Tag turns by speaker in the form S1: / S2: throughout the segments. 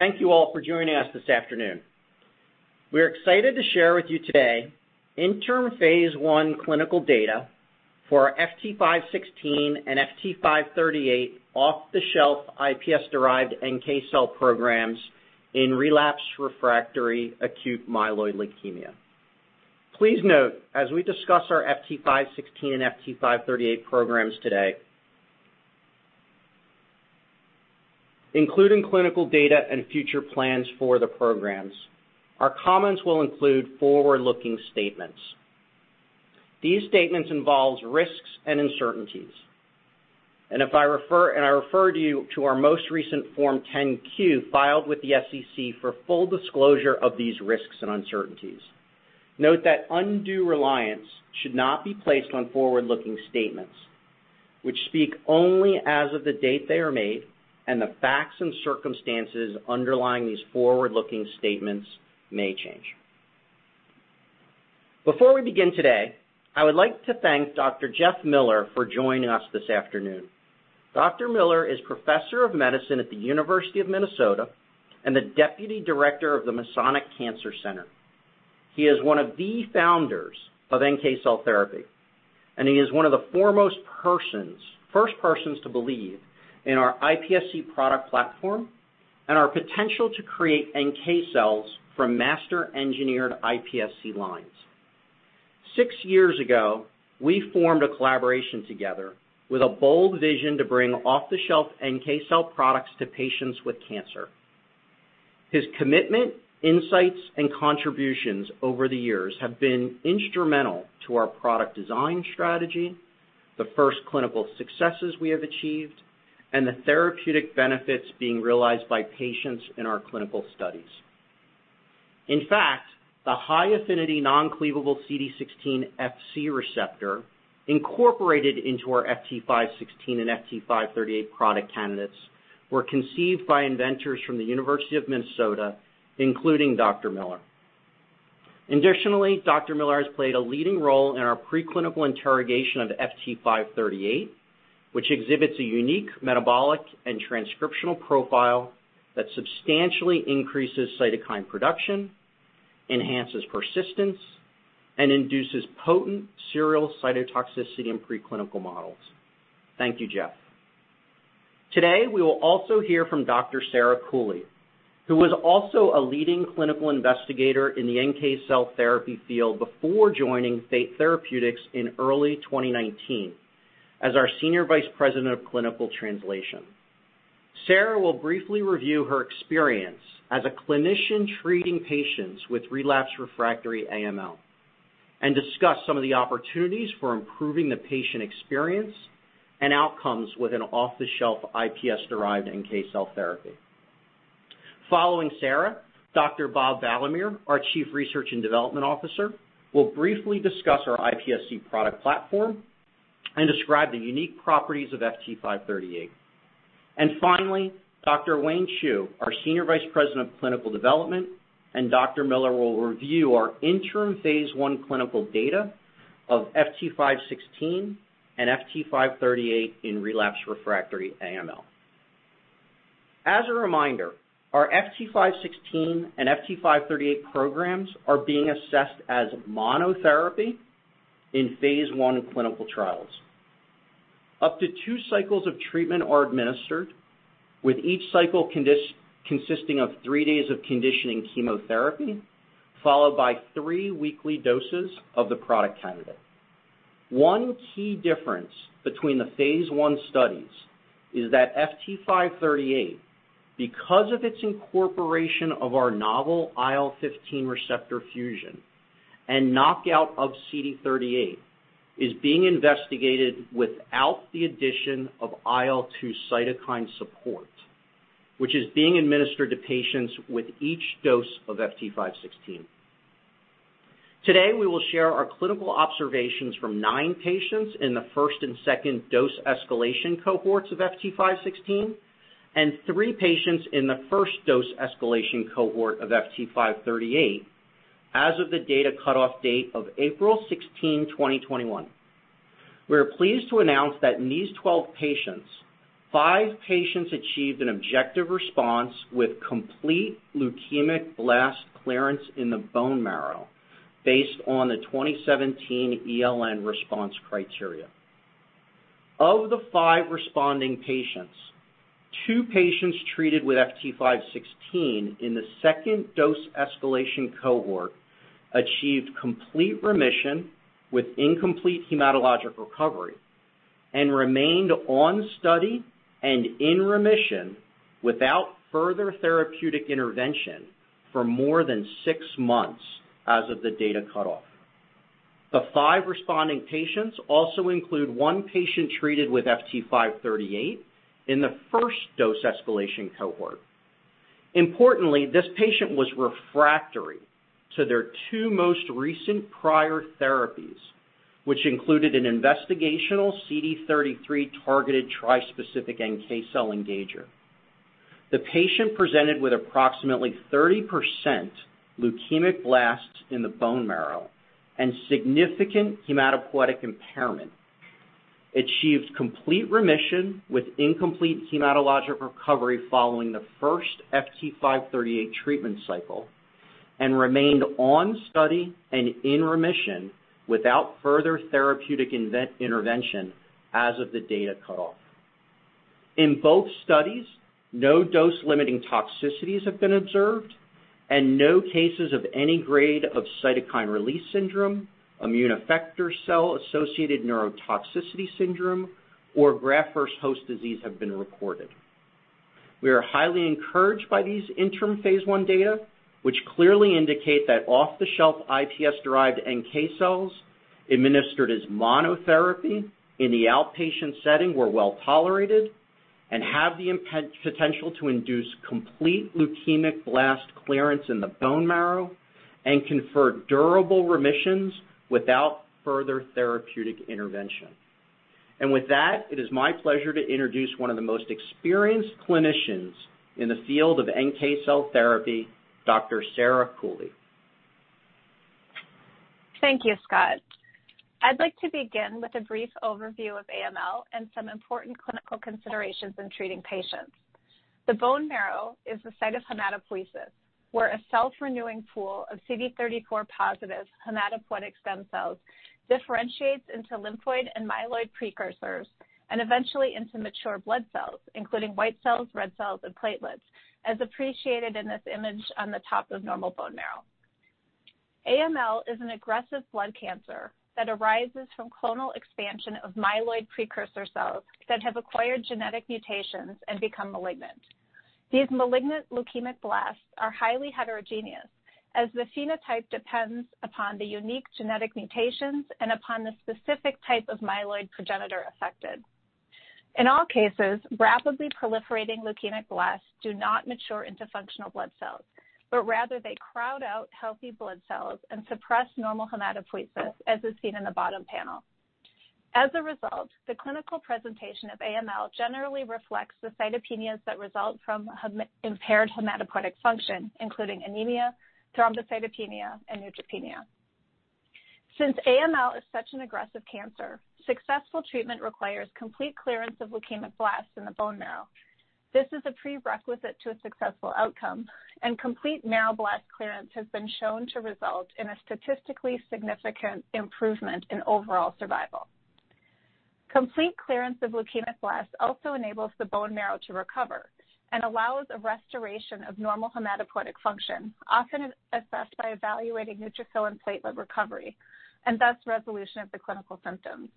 S1: Thank you all for joining us this afternoon. We're excited to share with you today interim phase I clinical data for our FT516 and FT538 off-the-shelf iPSC-derived NK cell programs in relapsed/refractory acute myeloid leukemia. Please note, as we discuss our FT516 and FT538 programs today, including clinical data and future plans for the programs, our comments will include forward-looking statements. These statements involve risks and uncertainties, and I refer you to our most recent Form 10-Q filed with the SEC for full disclosure of these risks and uncertainties. Note that undue reliance should not be placed on forward-looking statements, which speak only as of the date they are made, and the facts and circumstances underlying these forward-looking statements may change. Before we begin today, I would like to thank Dr. Jeff Miller for joining us this afternoon. Dr. Miller is Professor of Medicine at the University of Minnesota and the Deputy Director of the Masonic Cancer Center. He is one of the founders of NK cell therapy, he is one of the foremost first persons to believe in our iPSC product platform and our potential to create NK cells from master engineered iPSC lines. Six years ago, we formed a collaboration together with a bold vision to bring off-the-shelf NK cell products to patients with cancer. His commitment, insights, and contributions over the years have been instrumental to our product design strategy, the first clinical successes we have achieved, and the therapeutic benefits being realized by patients in our clinical studies. In fact, the high-affinity non-cleavable CD16 Fc receptor incorporated into our FT516 and FT538 product candidates were conceived by inventors from the University of Minnesota, including Dr. Miller. Additionally, Dr. Jeffrey Miller has played a leading role in our preclinical interrogation of FT538, which exhibits a unique metabolic and transcriptional profile that substantially increases cytokine production, enhances persistence, and induces potent serial cytotoxicity in preclinical models. Thank you, Jeff. Today, we will also hear from Dr. Sarah Cooley, who was also a leading clinical investigator in the NK cell therapy field before joining Fate Therapeutics in early 2019 as our Senior Vice President of Clinical Translation. Sarah will briefly review her experience as a clinician treating patients with relapse/refractory AML and discuss some of the opportunities for improving the patient experience and outcomes with an off-the-shelf iPSC-derived NK cell therapy. Following Sarah, Dr. Bob Valamehr, our Chief Research and Development Officer, will briefly discuss our iPSC product platform and describe the unique properties of FT538. Finally, Dr. Yu-Waye Chu, our Senior Vice President of Clinical Development, and Dr. Jeffrey Miller will review our interim phase I clinical data of FT516 and FT538 in relapse/refractory AML. As a reminder, our FT516 and FT538 programs are being assessed as monotherapy in phase I clinical trials. Up to two cycles of treatment are administered, with each cycle consisting of three days of conditioning chemotherapy, followed by three weekly doses of the product candidate. One key difference between the phase I studies is that FT538, because of its incorporation of our novel IL-15 receptor fusion and knockout of CD38, is being investigated without the addition of IL-2 cytokine support, which is being administered to patients with each dose of FT516. Today, we will share our clinical observations from nine patients in the first and second dose escalation cohorts of FT516 and three patients in the first dose escalation cohort of FT538 as of the data cutoff date of April 16th, 2021. We are pleased to announce that in these 12 patients, five patients achieved an objective response with complete leukemic blast clearance in the bone marrow based on the 2017 ELN response criteria. Of the five responding patients, two patients treated with FT516 in the second dose escalation cohort achieved complete remission with incomplete hematologic recovery and remained on study and in remission without further therapeutic intervention for more than six months as of the data cutoff. The five responding patients also include one patient treated with FT538 in the first dose escalation cohort. This patient was refractory to their two most recent prior therapies, which included an investigational CD33-targeted tri-specific NK cell engager. The patient presented with approximately 30% leukemic blasts in the bone marrow and significant hematopoietic impairment. Achieved complete remission with incomplete hematologic recovery following the first FT538 treatment cycle, and remained on study and in remission without further therapeutic intervention as of the data cutoff. In both studies, no dose-limiting toxicities have been observed and no cases of any grade of cytokine release syndrome, immune effector cell-associated neurotoxicity syndrome, or graft-versus-host disease have been reported. We are highly encouraged by these interim phase I data, which clearly indicate that off-the-shelf iPS-derived NK cells administered as monotherapy in the outpatient setting were well-tolerated and have the potential to induce complete leukemic blast clearance in the bone marrow and conferred durable remissions without further therapeutic intervention. With that, it is my pleasure to introduce one of the most experienced clinicians in the field of NK cell therapy, Dr. Sarah Cooley.
S2: Thank you, Scott. I'd like to begin with a brief overview of AML and some important clinical considerations in treating patients. The bone marrow is the site of hematopoiesis, where a self-renewing pool of CD34 positive hematopoietic stem cells differentiates into lymphoid and myeloid precursors, and eventually into mature blood cells, including white cells, red cells, and platelets, as appreciated in this image on the top of normal bone marrow. AML is an aggressive blood cancer that arises from clonal expansion of myeloid precursor cells that have acquired genetic mutations and become malignant. These malignant leukemic blasts are highly heterogeneous, as the phenotype depends upon the unique genetic mutations and upon the specific type of myeloid progenitor affected. In all cases, rapidly proliferating leukemic blasts do not mature into functional blood cells, but rather they crowd out healthy blood cells and suppress normal hematopoiesis, as is seen in the bottom panel. As a result, the clinical presentation of AML generally reflects the cytopenias that result from impaired hematopoietic function, including anemia, thrombocytopenia, and neutropenia. Since AML is such an aggressive cancer, successful treatment requires complete clearance of leukemic blasts in the bone marrow. This is a prerequisite to a successful outcome, and complete marrow blast clearance has been shown to result in a statistically significant improvement in overall survival. Complete clearance of leukemic blasts also enables the bone marrow to recover and allows a restoration of normal hematopoietic function, often as assessed by evaluating neutrophil and platelet recovery, and thus resolution of the clinical symptoms.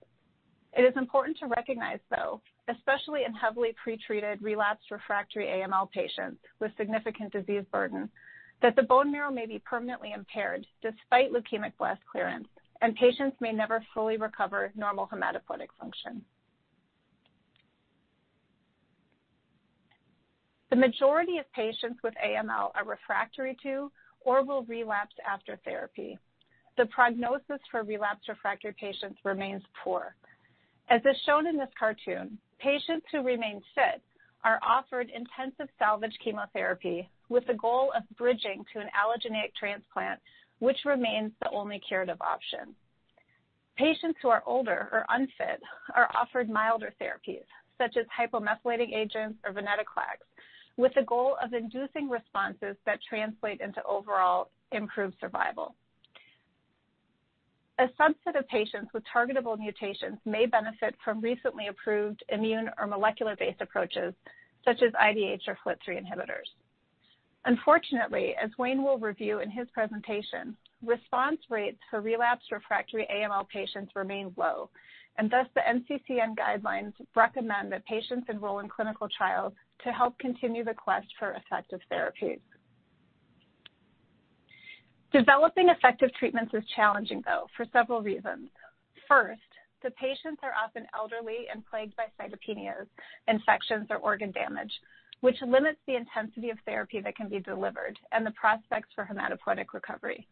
S2: It is important to recognize, though, especially in heavily pretreated, relapsed/refractory AML patients with significant disease burden, that the bone marrow may be permanently impaired despite leukemic blast clearance, and patients may never fully recover normal hematopoietic function. The majority of patients with AML are refractory to or will relapse after therapy. The prognosis for relapsed/refractory patients remains poor. As is shown in this cartoon, patients who remain fit are offered intensive salvage chemotherapy with the goal of bridging to an allogeneic transplant, which remains the only curative option. Patients who are older or unfit are offered milder therapies such as hypomethylating agents or venetoclax, with the goal of inducing responses that translate into overall improved survival. A subset of patients with targetable mutations may benefit from recently approved immune or molecular-based approaches such as IDH or FLT3 inhibitors. Unfortunately, as Yu-Waye Chu will review in his presentation, response rates for relapsed/refractory AML patients remain low, and thus the NCCN guidelines recommend that patients enroll in clinical trials to help continue the quest for effective therapies. Developing effective treatments is challenging, though, for several reasons. First, the patients are often elderly and plagued by cytopenias, infections, or organ damage, which limits the intensity of therapy that can be delivered and the prospects for hematopoietic recovery.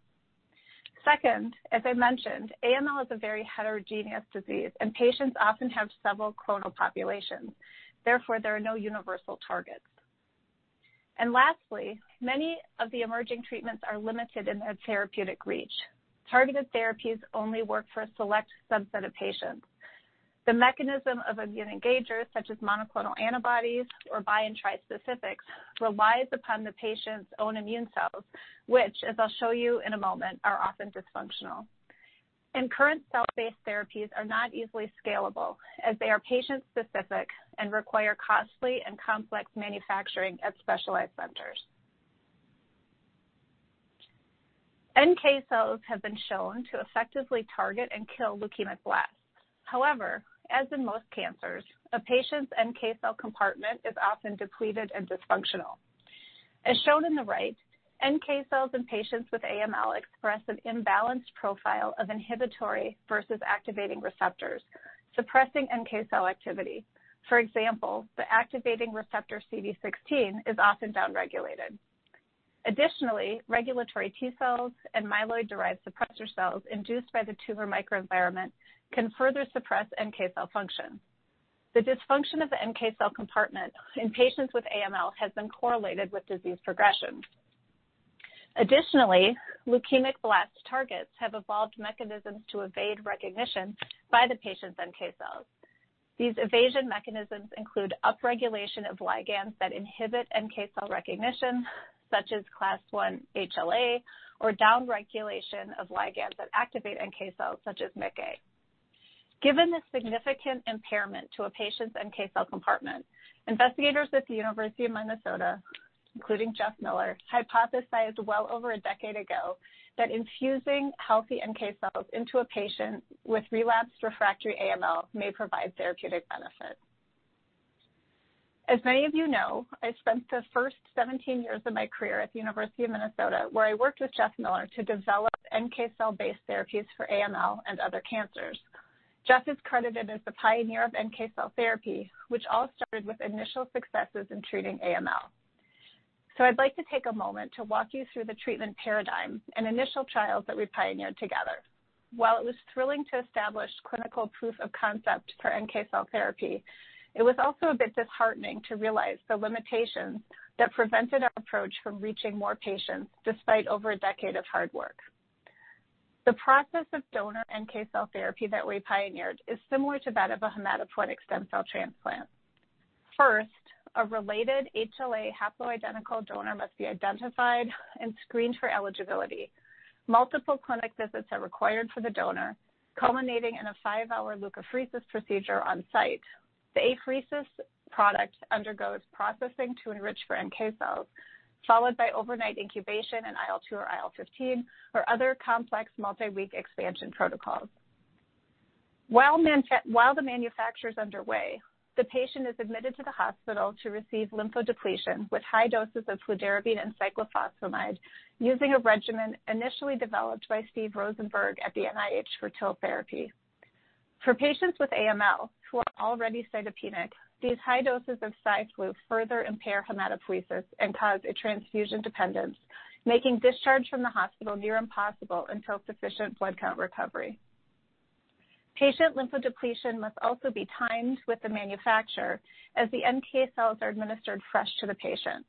S2: Second, as I mentioned, AML is a very heterogeneous disease, and patients often have several clonal populations. Therefore, there are no universal targets. Lastly, many of the emerging treatments are limited in their therapeutic reach. Targeted therapies only work for a select subset of patients. The mechanism of immune engagers, such as monoclonal antibodies or bi and trispecifics, relies upon the patient's own immune cells, which, as I'll show you in a moment, are often dysfunctional. Current cell-based therapies are not easily scalable, as they are patient-specific and require costly and complex manufacturing at specialized centers. NK cells have been shown to effectively target and kill leukemic blasts. However, as in most cancers, a patient's NK cell compartment is often depleted and dysfunctional. As shown in the right, NK cells in patients with AML express an imbalanced profile of inhibitory versus activating receptors, suppressing NK cell activity. For example, the activating receptor CD16 is often downregulated. Additionally, regulatory T cells and myeloid-derived suppressor cells induced by the tumor microenvironment can further suppress NK cell function. The dysfunction of the NK cell compartment in patients with AML has been correlated with disease progression. Additionally, leukemic blast targets have evolved mechanisms to evade recognition by the patient's NK cells. These evasion mechanisms include upregulation of ligands that inhibit NK cell recognition, such as class one HLA, or downregulation of ligands that activate NK cells, such as MICA. Given the significant impairment to a patient's NK cell compartment, investigators at the University of Minnesota, including Jeff Miller, hypothesized well over one decade ago that infusing healthy NK cells into a patient with relapsed refractory AML may provide therapeutic benefit. As many of you know, I spent the first 17 years of my career at the University of Minnesota, where I worked with Jeff Miller to develop NK cell-based therapies for AML and other cancers. Jeff is credited as the pioneer of NK cell therapy, which all started with initial successes in treating AML. I'd like to take a moment to walk you through the treatment paradigm and initial trials that we pioneered together. While it was thrilling to establish clinical proof of concept for NK cell therapy, it was also a bit disheartening to realize the limitations that prevented our approach from reaching more patients, despite over a decade of hard work. The process of donor NK cell therapy that we pioneered is similar to that of a hematopoietic stem cell transplant. First, a related HLA haploidentical donor must be identified and screened for eligibility. Multiple clinic visits are required for the donor, culminating in a five-hour leukapheresis procedure on-site. The apheresis product undergoes processing to enrich for NK cells, followed by overnight incubation in IL-2 or IL-15 or other complex multi-week expansion protocols. While the manufacture is underway, the patient is admitted to the hospital to receive lymphodepletion with high doses of fludarabine and cyclophosphamide, using a regimen initially developed by Steve Rosenberg at the NIH for TIL therapy. For patients with AML, who are already cytopenic, these high doses of Cy/Flu further impair hematopoiesis and cause a transfusion dependence, making discharge from the hospital near impossible until sufficient blood count recovery. Patient lymphodepletion must also be timed with the manufacture, as the NK cells are administered fresh to the patient.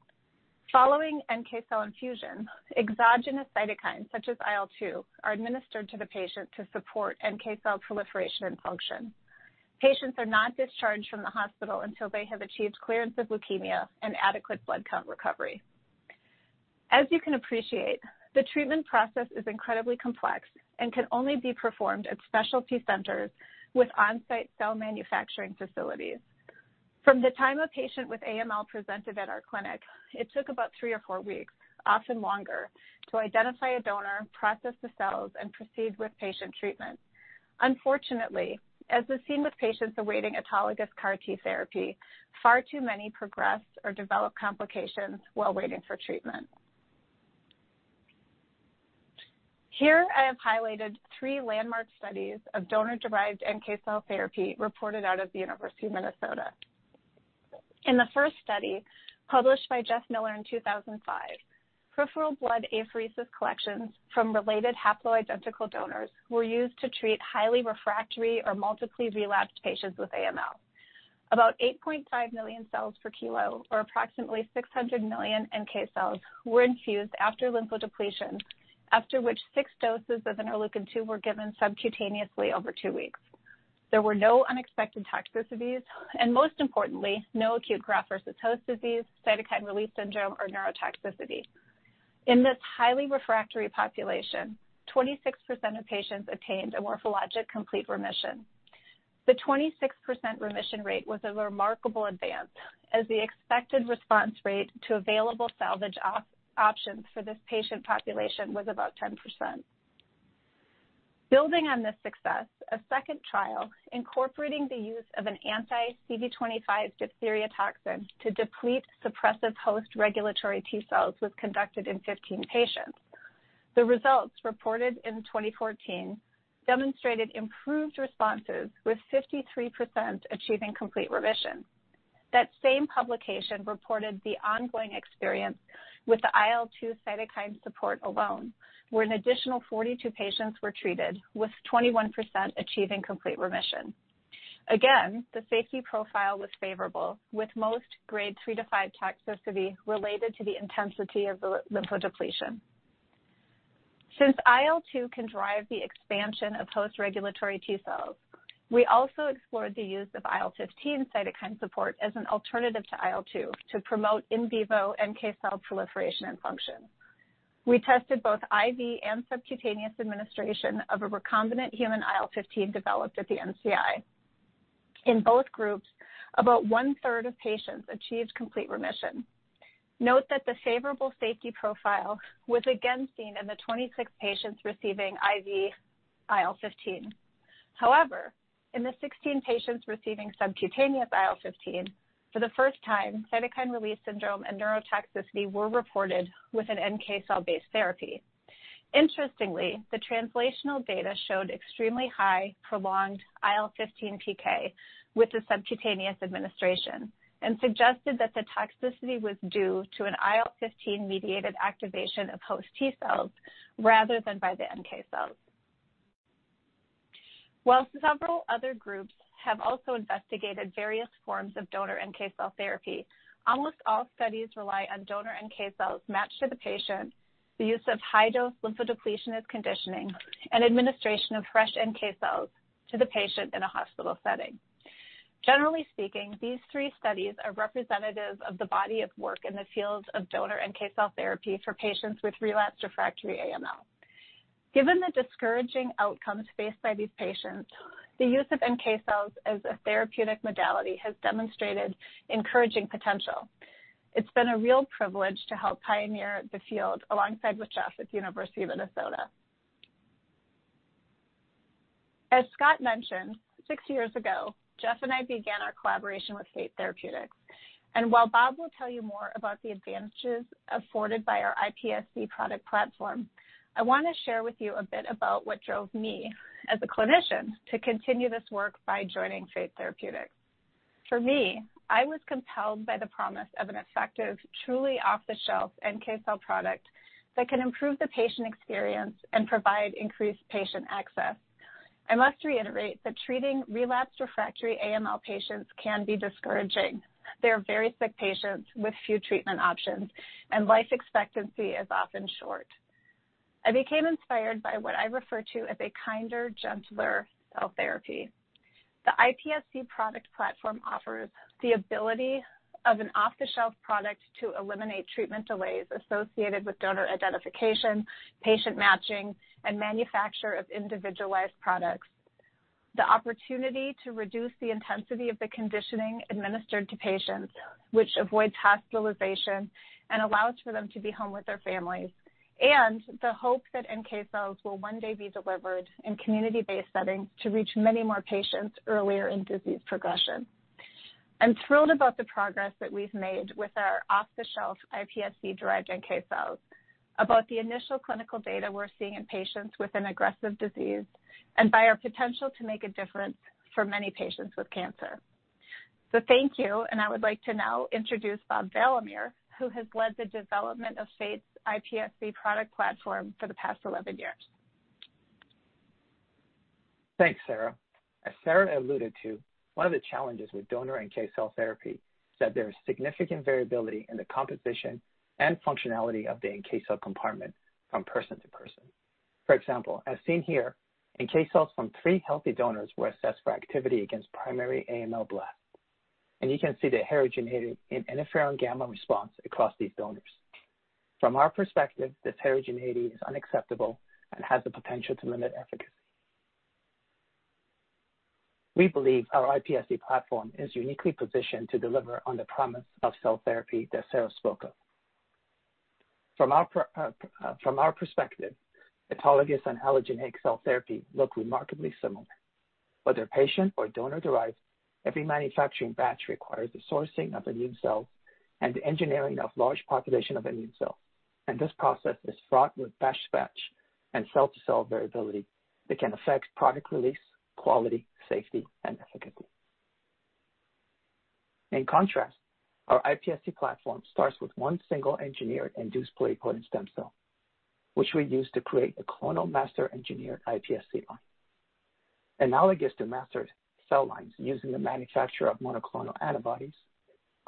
S2: Following NK cell infusion, exogenous cytokines such as IL-2 are administered to the patient to support NK cell proliferation and function. Patients are not discharged from the hospital until they have achieved clearance of leukemia and adequate blood count recovery. As you can appreciate, the treatment process is incredibly complex and can only be performed at specialty centers with on-site cell manufacturing facilities. From the time a patient with AML presented at our clinic, it took about three or four weeks, often longer, to identify a donor, process the cells, and proceed with patient treatment. Unfortunately, as is seen with patients awaiting autologous CAR T therapy, far too many progress or develop complications while waiting for treatment. Here, I have highlighted three landmark studies of donor-derived NK cell therapy reported out of the University of Minnesota. In the first study, published by Jeff Miller in 2005, peripheral blood apheresis collections from related haploidentical donors were used to treat highly refractory or multiply relapsed patients with AML. About 8.5 million cells per kilo, or approximately 600 million NK cells, were infused after lymphodepletion, after which six doses of interleukin-2 were given subcutaneously over two weeks. There were no unexpected toxicities. Most importantly, no acute Graft-versus-host disease, cytokine release syndrome, or neurotoxicity. In this highly refractory population, 26% of patients attained a morphologic complete remission. The 26% remission rate was a remarkable advance, as the expected response rate to available salvage options for this patient population was about 10%. Building on this success, a second trial incorporating the use of an anti-CD25 diphtheria toxin to deplete suppressive host regulatory T cells was conducted in 15 patients. The results, reported in 2014, demonstrated improved responses, with 53% achieving complete remission. That same publication reported the ongoing experience with the IL-2 cytokine support alone, where an additional 42 patients were treated, with 21% achieving complete remission. Again, the safety profile was favorable, with most Grade 3 to 5 toxicity related to the intensity of the lymphodepletion. Since IL-2 can drive the expansion of host regulatory T cells, we also explored the use of IL-15 cytokine support as an alternative to IL-2 to promote in vivo NK cell proliferation and function. We tested both IV and subcutaneous administration of a recombinant human IL-15 developed at the NCI. In both groups, about 1/3 of patients achieved complete remission. Note that the favorable safety profile was again seen in the 26 patients receiving IV IL-15. However, in the 16 patients receiving subcutaneous IL-15, for the first time, cytokine release syndrome and neurotoxicity were reported with an NK cell-based therapy. Interestingly, the translational data showed extremely high, prolonged IL-15 PK with the subcutaneous administration and suggested that the toxicity was due to an IL-15-mediated activation of host T cells rather than by the NK cells. Several other groups have also investigated various forms of donor NK cell therapy, almost all studies rely on donor NK cells matched to the patient, the use of high-dose lymphodepletion as conditioning, and administration of fresh NK cells to the patient in a hospital setting. Generally speaking, these three studies are representative of the body of work in the field of donor NK cell therapy for patients with relapsed/refractory AML. Given the discouraging outcomes faced by these patients, the use of NK cells as a therapeutic modality has demonstrated encouraging potential. It's been a real privilege to help pioneer the field alongside with Jeff at the University of Minnesota. As Scott mentioned, six years ago, Jeff and I began our collaboration with Fate Therapeutics. While Bob will tell you more about the advantages afforded by our iPSC product platform, I want to share with you a bit about what drove me as a clinician to continue this work by joining Fate Therapeutics. For me, I was compelled by the promise of an effective, truly off-the-shelf NK cell product that can improve the patient experience and provide increased patient access. I must reiterate that treating relapsed/refractory AML patients can be discouraging. They are very sick patients with few treatment options, and life expectancy is often short. I became inspired by what I refer to as a kinder, gentler cell therapy. The iPSC product platform offers the ability of an off-the-shelf product to eliminate treatment delays associated with donor identification, patient matching, and manufacture of individualized products. The opportunity to reduce the intensity of the conditioning administered to patients, which avoids hospitalization and allows for them to be home with their families, and the hope that NK cells will one day be delivered in community-based settings to reach many more patients earlier in disease progression. I'm thrilled about the progress that we've made with our off-the-shelf iPSC-derived NK cells, about the initial clinical data we're seeing in patients with an aggressive disease, and by our potential to make a difference for many patients with cancer. Thank you, and I would like to now introduce Bob Valamehr, who has led the development of Fate's iPSC product platform for the past 11 years.
S3: Thanks, Sarah. As Sarah alluded to, one of the challenges with donor NK cell therapy is that there is significant variability in the composition and functionality of the NK cell compartment from person to person. For example, as seen here, NK cells from three healthy donors were assessed for activity against primary AML blood, and you can see the heterogeneity in interferon gamma response across these donors. From our perspective, this heterogeneity is unacceptable and has the potential to limit efficacy. We believe our iPSC platform is uniquely positioned to deliver on the promise of cell therapy that Sarah spoke of. From our perspective, autologous and allogeneic cell therapy look remarkably similar. Whether patient or donor-derived, every manufacturing batch requires the sourcing of immune cells and the engineering of large population of immune cells. This process is fraught with batch-to-batch and cell-to-cell variability that can affect product release, quality, safety, and efficacy. In contrast, our iPSC platform starts with one single engineered induced pluripotent stem cell, which we use to create a clonal master engineered iPSC line. Analogous to mastered cell lines using the manufacture of monoclonal antibodies,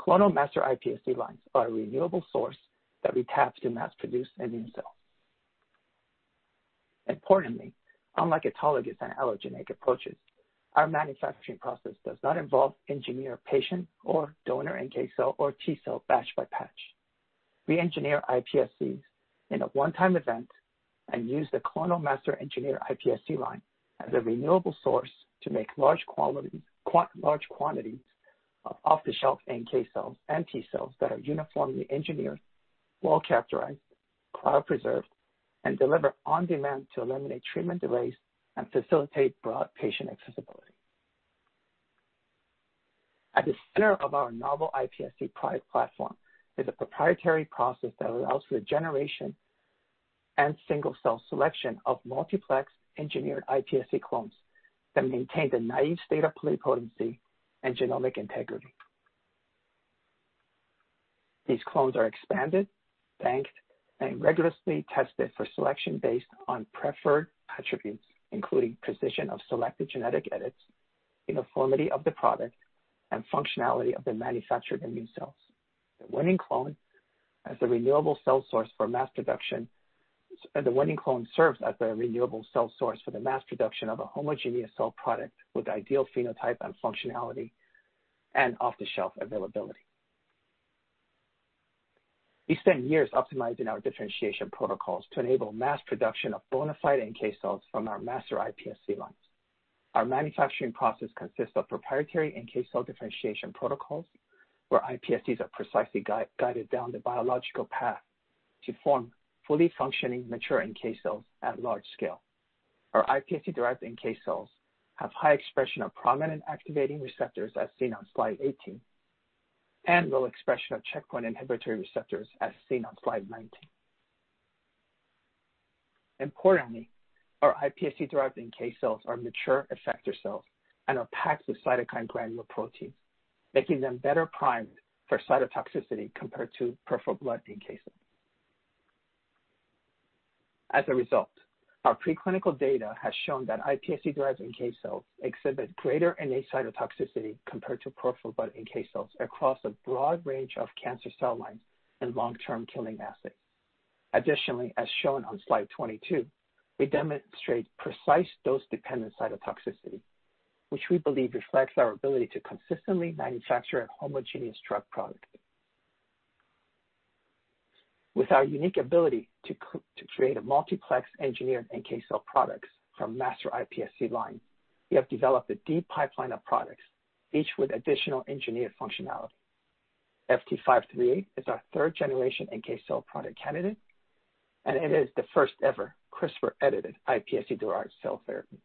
S3: clonal master iPSC lines are a renewable source that we tap to mass produce immune cells. Importantly, unlike autologous and allogeneic approaches, our manufacturing process does not involve engineer, patient, or donor NK cell or T cell batch by batch. We engineer iPSCs in a one-time event and use the clonal master engineer iPSC line as a renewable source to make large quantities of off-the-shelf NK cells and T cells that are uniformly engineered, well-characterized, cryopreserved, and delivered on-demand to eliminate treatment delays and facilitate broad patient accessibility. At the center of our novel iPSC product platform is a proprietary process that allows for the generation and single-cell selection of multiplex engineered iPSC clones that maintain the naive state of pluripotency and genomic integrity. These clones are expanded, banked, and rigorously tested for selection based on preferred attributes, including precision of selected genetic edits, uniformity of the product, and functionality of the manufactured immune cells. The winning clone, as a renewable cell source for mass production, serves as a renewable cell source for the mass production of a homogeneous cell product with ideal phenotype and functionality and off-the-shelf availability. We spent years optimizing our differentiation protocols to enable mass production of bona fide NK cells from our master iPSC lines. Our manufacturing process consists of proprietary NK cell differentiation protocols, where iPSCs are precisely guided down the biological path to form fully functioning mature NK cells at large scale. Our iPSC-derived NK cells have high expression of prominent activating receptors, as seen on slide 18, and low expression of checkpoint inhibitory receptors, as seen on slide 19. Importantly, our iPSC-derived NK cells are mature effector cells and are packed with cytokine granule proteins, making them better primed for cytotoxicity compared to peripheral blood NK cells. As a result, our preclinical data has shown that iPSC-derived NK cells exhibit greater in vitro cytotoxicity compared to peripheral blood NK cells across a broad range of cancer cell lines and long-term killing assays. Additionally, as shown on slide 22, we demonstrate precise dose-dependent cytotoxicity, which we believe reflects our ability to consistently manufacture a homogeneous drug product. With our unique ability to create a multiplex engineered NK cell products from master iPSC line, we have developed a deep pipeline of products, each with additional engineered functionality. FT538 is our 3rd-generation NK cell product candidate. It is the first ever CRISPR-edited iPSC-derived cell therapy.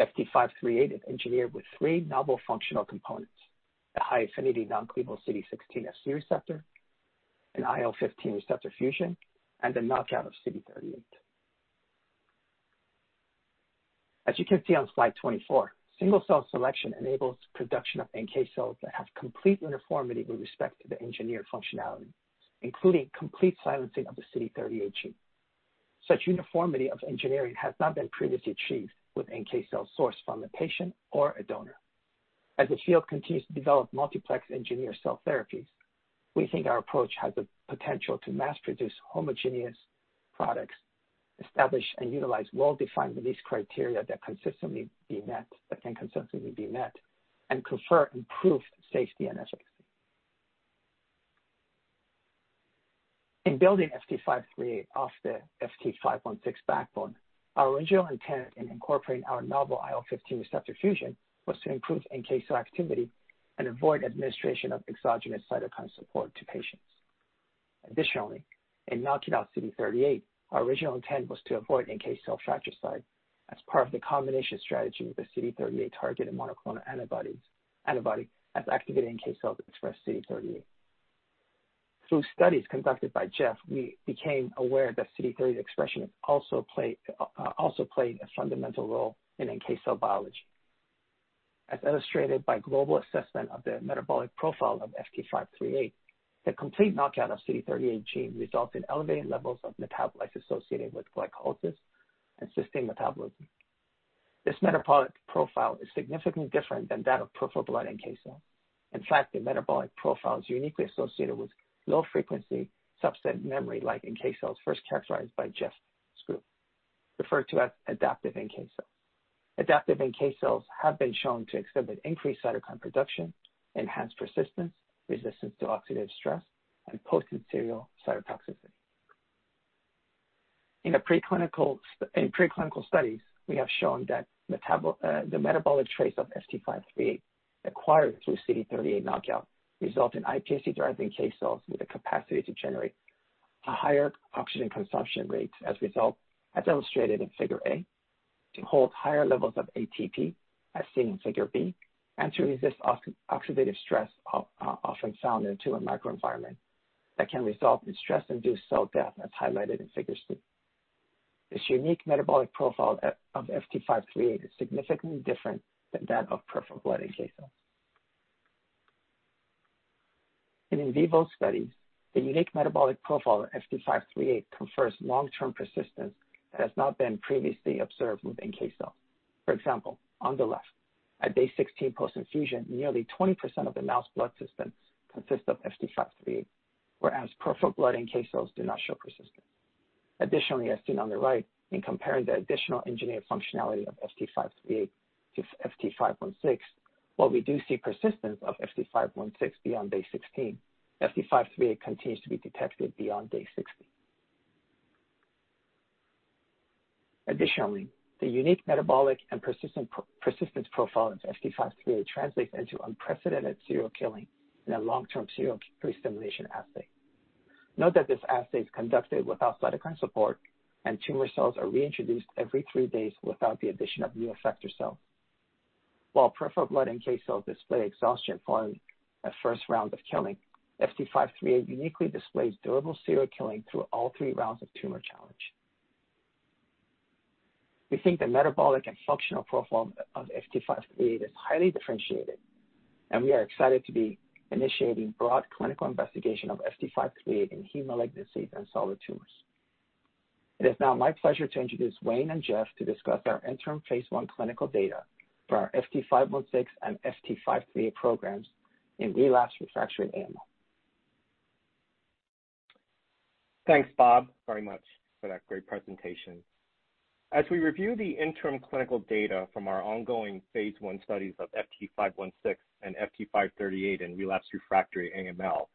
S3: FT538 is engineered with three novel functional components, the high affinity non-cleavable CD16 Fc receptor, an IL-15 receptor fusion, and a knockout of CD38. As you can see on slide 24, single cell selection enables production of NK cells that have complete uniformity with respect to the engineered functionality, including complete silencing of the CD38 gene. Such uniformity of engineering has not been previously achieved with NK cell sourced from a patient or a donor. As the field continues to develop multiplex engineered cell therapies, we think our approach has the potential to mass produce homogeneous products, establish and utilize well-defined release criteria that can consistently be met and confer improved safety and efficacy. In building FT538 off the FT516 backbone, our original intent in incorporating our novel IL-15 receptor fusion was to improve NK cell activity and avoid administration of exogenous cytokine support to patients. Additionally, in knocking out CD38, our original intent was to avoid NK cell fratricide as part of the combination strategy with the CD38 targeted monoclonal antibody as activated NK cells express CD38. Through studies conducted by Jeff, we became aware that CD38 expression also played a fundamental role in NK cell biology. As illustrated by global assessment of the metabolic profile of FT538, the complete knockout of CD38 gene results in elevated levels of metabolites associated with glycolysis and sustained metabolism. This metabolic profile is significantly different than that of peripheral blood NK cells. In fact, the metabolic profile is uniquely associated with low frequency subset memory like NK cells first characterized by Jeff's group, referred to as adaptive NK cells. Adaptive NK cells have been shown to exhibit increased cytokine production, enhanced persistence, resistance to oxidative stress, and post-serial cytotoxicity. In preclinical studies, we have shown that the metabolic trace of FT538 acquired through CD38 knockout result in iPSC-derived NK cells with the capacity to generate a higher oxygen consumption rate as a result, as illustrated in Figure A, to hold higher levels of ATP, as seen in Figure B, and to resist oxidative stress, often found in a tumor microenvironment that can result in stress-induced cell death, as highlighted in Figure C. This unique metabolic profile of FT538 is significantly different than that of peripheral blood NK cells. In in vivo studies, the unique metabolic profile of FT538 confers long-term persistence that has not been previously observed with NK cells. For example, on the left, at day 16 post-infusion, nearly 20% of the mouse blood system consists of FT538, whereas peripheral blood NK cells do not show persistence. Additionally, as seen on the right, in comparing the additional engineered functionality of FT538 to FT516, while we do see persistence of FT516 beyond day 16, FT538 continues to be detected beyond day 60. Additionally, the unique metabolic and persistence profile of FT538 translates into unprecedented serial killing in a long-term serial pre-stimulation assay. Note that this assay is conducted without cytokine support and tumor cells are reintroduced every three days without the addition of new effector cells. While peripheral blood NK cells display exhaustion following a first round of killing, FT538 uniquely displays durable serial killing through all three rounds of tumor challenge. We think the metabolic and functional profile of FT538 is highly differentiated, and we are excited to be initiating broad clinical investigation of FT538 in hematologic diseases and solid tumors. It is now my pleasure to introduce Waye and Jeff to discuss our interim phase I clinical data for our FT516 and FT538 programs in relapsed refractory AML.
S4: Thanks, Bob, very much for that great presentation. As we review the interim clinical data from our ongoing phase I studies of FT516 and FT538 in relapsed refractory AML,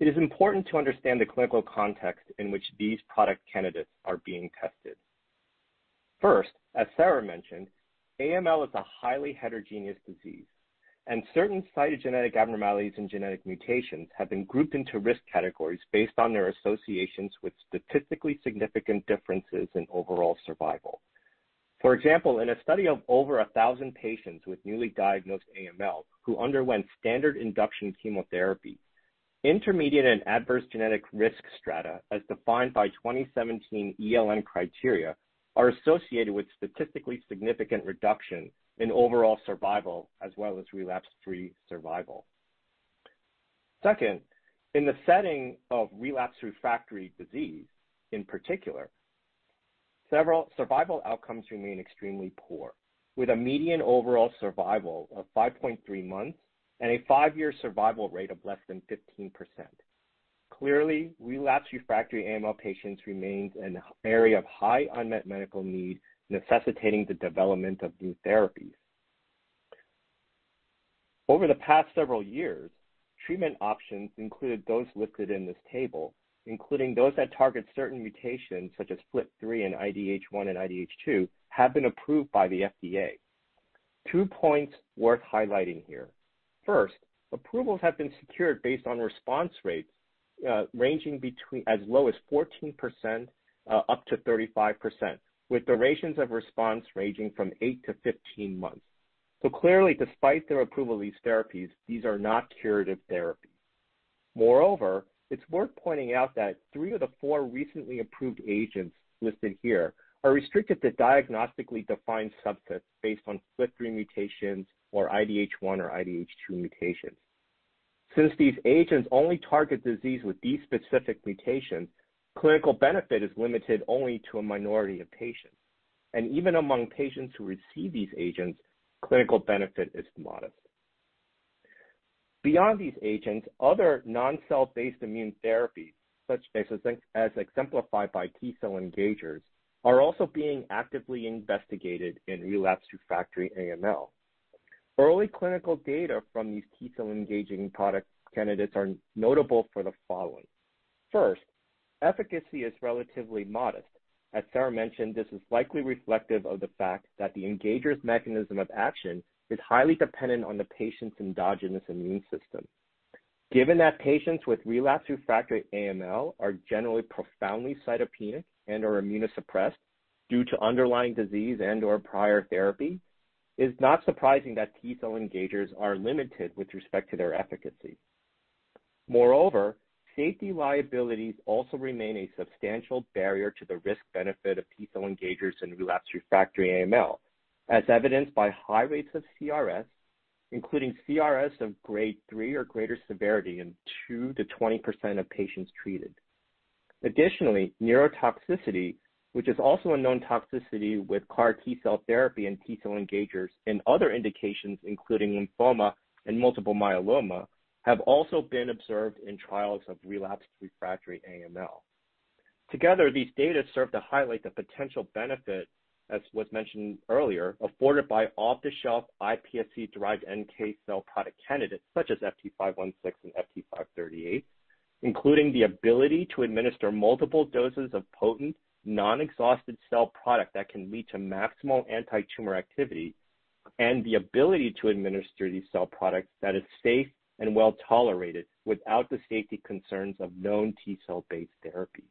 S4: it is important to understand the clinical context in which these product candidates are being tested. As Sarah mentioned, AML is a highly heterogeneous disease, and certain cytogenetic abnormalities and genetic mutations have been grouped into risk categories based on their associations with statistically significant differences in overall survival. For example, in a study of over 1,000 patients with newly diagnosed AML who underwent standard induction chemotherapy, intermediate and adverse genetic risk strata, as defined by 2017 ELN criteria, are associated with statistically significant reduction in overall survival as well as relapse-free survival. Second, in the setting of relapse refractory disease, in particular, several survival outcomes remain extremely poor, with a median overall survival of 5.3 months and a five-year survival rate of less than 15%. Clearly, relapse refractory AML patients remains an area of high unmet medical need, necessitating the development of new therapies. Over the past several years, treatment options included those listed in this table, including those that target certain mutations such as FLT3 and IDH1 and IDH2, have been approved by the FDA. Two points worth highlighting here. First, approvals have been secured based on response rates ranging between as low as 14% up to 35%, with durations of response ranging from 8 to 15 months. Clearly, despite their approval of these therapies, these are not curative therapies. Moreover, it's worth pointing out that three of the four recently approved agents listed here are restricted to diagnostically defined subsets based on FLT3 mutations or IDH1 or IDH2 mutations. Since these agents only target disease with these specific mutations, clinical benefit is limited only to a minority of patients. Even among patients who receive these agents, clinical benefit is modest. Beyond these agents, other non-cell-based immune therapies, such as exemplified by T-cell engagers, are also being actively investigated in relapsed refractory AML. Early clinical data from these T-cell engaging product candidates are notable for the following. First, efficacy is relatively modest. As Sarah mentioned, this is likely reflective of the fact that the engager's mechanism of action is highly dependent on the patient's endogenous immune system. Given that patients with relapse refractory AML are generally profoundly cytopenic and/or immunosuppressed due to underlying disease and/or prior therapy, it's not surprising that T-cell engagers are limited with respect to their efficacy. Safety liabilities also remain a substantial barrier to the risk-benefit of T-cell engagers in relapse refractory AML, as evidenced by high rates of CRS, including CRS of Grade 3 or greater severity in 2%-20% of patients treated. Neurotoxicity, which is also a known toxicity with CAR T-cell therapy and T-cell engagers in other indications, including lymphoma and multiple myeloma, have also been observed in trials of relapsed refractory AML. Together, these data serve to highlight the potential benefit, as was mentioned earlier, afforded by off-the-shelf iPSC-derived NK cell product candidates such as FT516 and FT538, including the ability to administer multiple doses of potent non-exhausted cell product that can lead to maximal antitumor activity, and the ability to administer these cell products that is safe and well-tolerated without the safety concerns of known T-cell based therapies.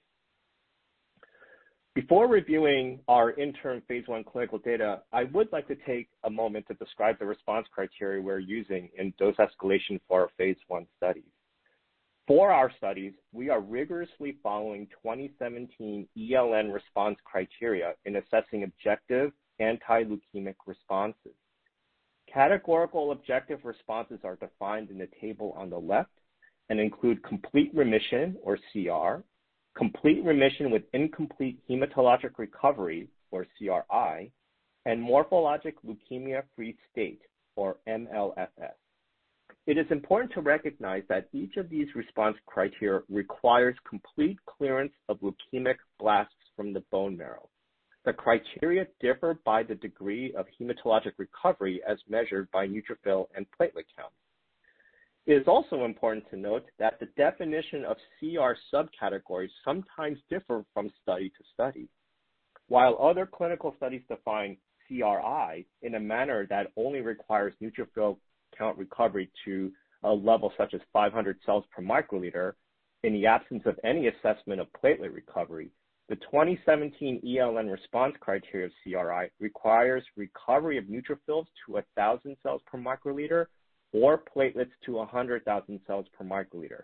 S4: Before reviewing our interim phase I clinical data, I would like to take a moment to describe the response criteria we're using in dose escalation for our phase I studies. For our studies, we are rigorously following 2017 ELN response criteria in assessing objective anti-leukemic responses. Categorical objective responses are defined in the table on the left and include, complete remission, or CR, complete remission with incomplete hematologic recovery, or CRI, and morphologic leukemia-free state, or MLFS. It is important to recognize that each of these response criteria requires complete clearance of leukemic blasts from the bone marrow. The criteria differ by the degree of hematologic recovery as measured by neutrophil and platelet count. It is also important to note that the definition of CR subcategories sometimes differ from study to study. While other clinical studies define CRi in a manner that only requires neutrophil count recovery to a level such as 500 cells per microliter in the absence of any assessment of platelet recovery, the 2017 ELN response criteria CRi requires recovery of neutrophils to 1,000 cells per microliter or platelets to 100,000 cells per microliter.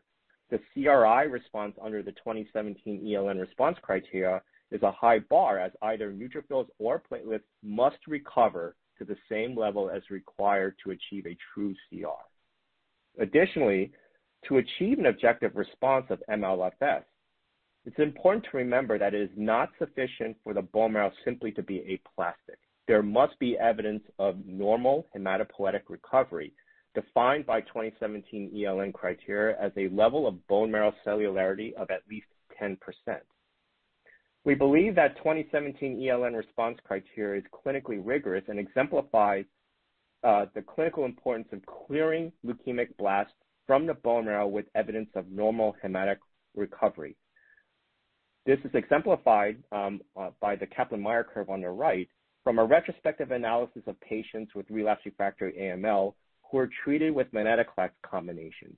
S4: The CRi response under the 2017 ELN response criteria is a high bar, as either neutrophils or platelets must recover to the same level as required to achieve a true CR. Additionally, to achieve an objective response of MLFS, it's important to remember that it is not sufficient for the bone marrow simply to be aplastic. There must be evidence of normal hematopoietic recovery, defined by 2017 ELN criteria as a level of bone marrow cellularity of at least 10%. We believe that 2017 ELN response criteria is clinically rigorous and exemplifies the clinical importance of clearing leukemic blasts from the bone marrow with evidence of normal hematologic recovery. This is exemplified by the Kaplan-Meier curve on the right from a retrospective analysis of patients with relapsed refractory AML who were treated with venetoclax combinations,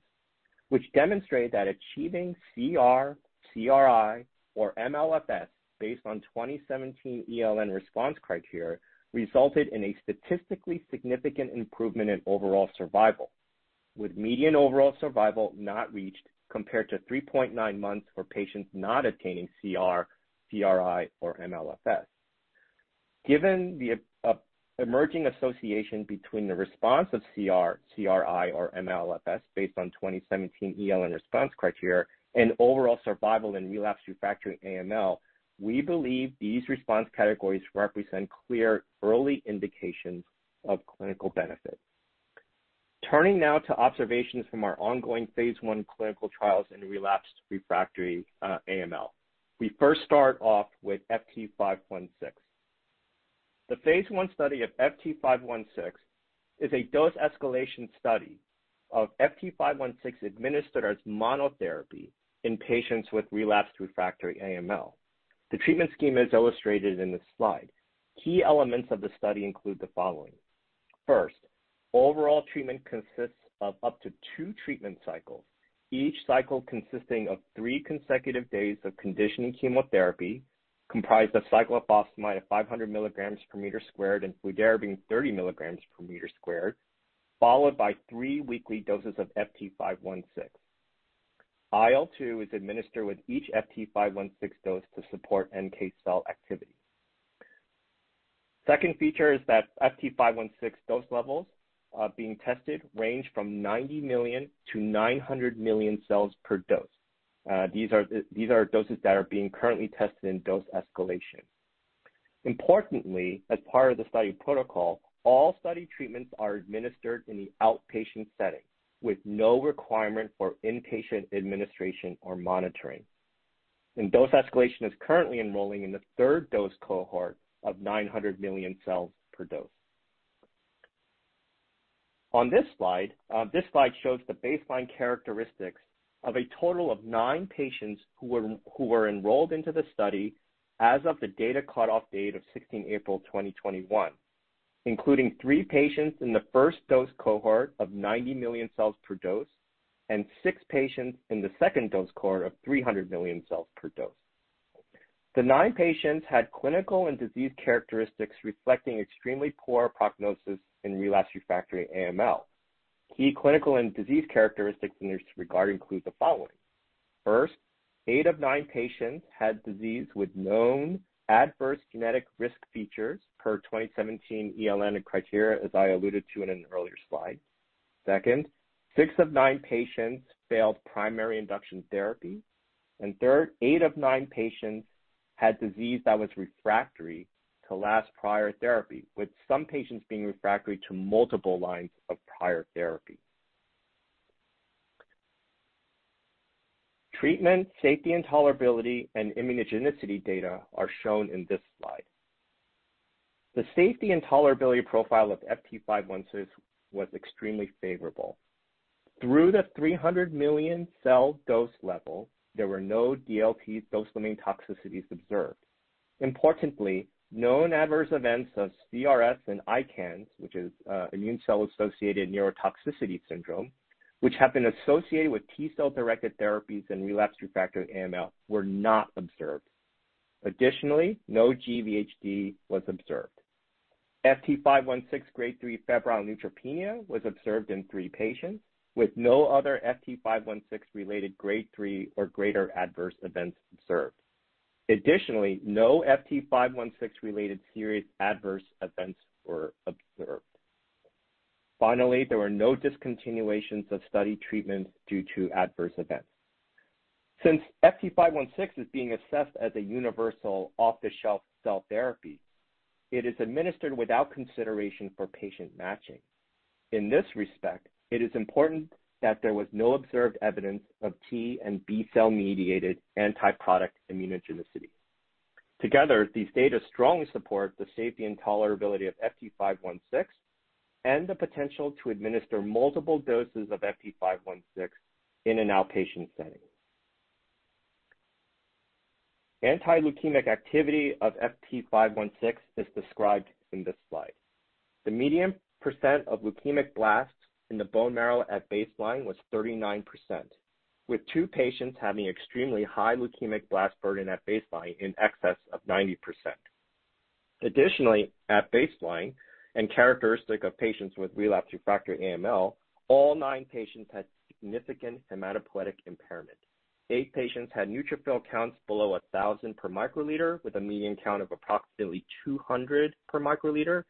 S4: which demonstrate that achieving CR, CRh, or MLFS based on 2017 ELN response criteria resulted in a statistically significant improvement in overall survival, with median overall survival not reached compared to 3.9 months for patients not attaining CR, CRh, or MLFS. Given the emerging association between the response of CR, CRh, or MLFS based on 2017 ELN response criteria and overall survival in relapsed refractory AML, we believe these response categories represent clear early indications of clinical benefit. Turning now to observations from our ongoing phase I clinical trials in relapsed refractory AML. We first start off with FT516. The phase I study of FT516 is a dose escalation study of FT516 administered as monotherapy in patients with relapsed refractory AML. The treatment scheme is illustrated in this slide. Key elements of the study include the following. First, overall treatment consists of up to two treatment cycles, each cycle consisting of three consecutive days of conditioning chemotherapy comprised of cyclophosphamide of 500 milligrams per meter squared and fludarabine 30 milligrams per meter squared, followed by three weekly doses of FT516. IL-2 is administered with each FT516 dose to support NK cell activity. Second feature is that FT516 dose levels being tested range from 90 million to 900 million cells per dose. These are doses that are being currently tested in dose escalation. Importantly, as part of the study protocol, all study treatments are administered in the outpatient setting with no requirement for inpatient administration or monitoring. Dose escalation is currently enrolling in the third dose cohort of 900 million cells per dose. On this slide, this slide shows the baseline characteristics of a total of nine patients who were enrolled into the study as of the data cutoff date of April 16th, 2021, including three patients in the first dose cohort of 90 million cells per dose and six patients in the second dose cohort of 300 million cells per dose. The nine patients had clinical and disease characteristics reflecting extremely poor prognosis in relapsed refractory AML. Key clinical and disease characteristics in this regard include the following. First, eight of nine patients had disease with known adverse genetic risk features per 2017 ELN criteria, as I alluded to in an earlier slide. Second, six of nine patients failed primary induction therapy. Third, eight of nine patients had disease that was refractory to last prior therapy, with some patients being refractory to multiple lines of prior therapy. Treatment, safety and tolerability, and immunogenicity data are shown in this slide. The safety and tolerability profile of FT516 was extremely favorable. Through the 300 million cell dose level, there were no DLTs, Dose-Limiting Toxicities, observed. Importantly, known adverse events of CRS and ICANS, which is Immune Cell-Associated Neurotoxicity Syndrome, which have been associated with T-cell-directed therapies and relapsed refractory AML, were not observed. Additionally, no GvHD was observed. FT516 Grade 3 febrile neutropenia was observed in three patients, with no other FT516-related Grade 3 or greater adverse events observed. Additionally, no FT516 related serious adverse events were observed. Finally, there were no discontinuations of study treatments due to adverse events. Since FT516 is being assessed as a universal off-the-shelf cell therapy, it is administered without consideration for patient matching. In this respect, it is important that there was no observed evidence of T and B cell-mediated anti-product immunogenicity. Together, these data strongly support the safety and tolerability of FT516 and the potential to administer multiple doses of FT516 in an outpatient setting. Antileukemic activity of FT516 is described in this slide. The median percent of leukemic blasts in the bone marrow at baseline was 39%, with two patients having extremely high leukemic blast burden at baseline in excess of 90%. Additionally, at baseline, and characteristic of patients with relapsed refractory AML, all nine patients had significant hematopoietic impairment. Eight patients had neutrophil counts below 1,000 per microliter with a median count of approximately 200 per microliter,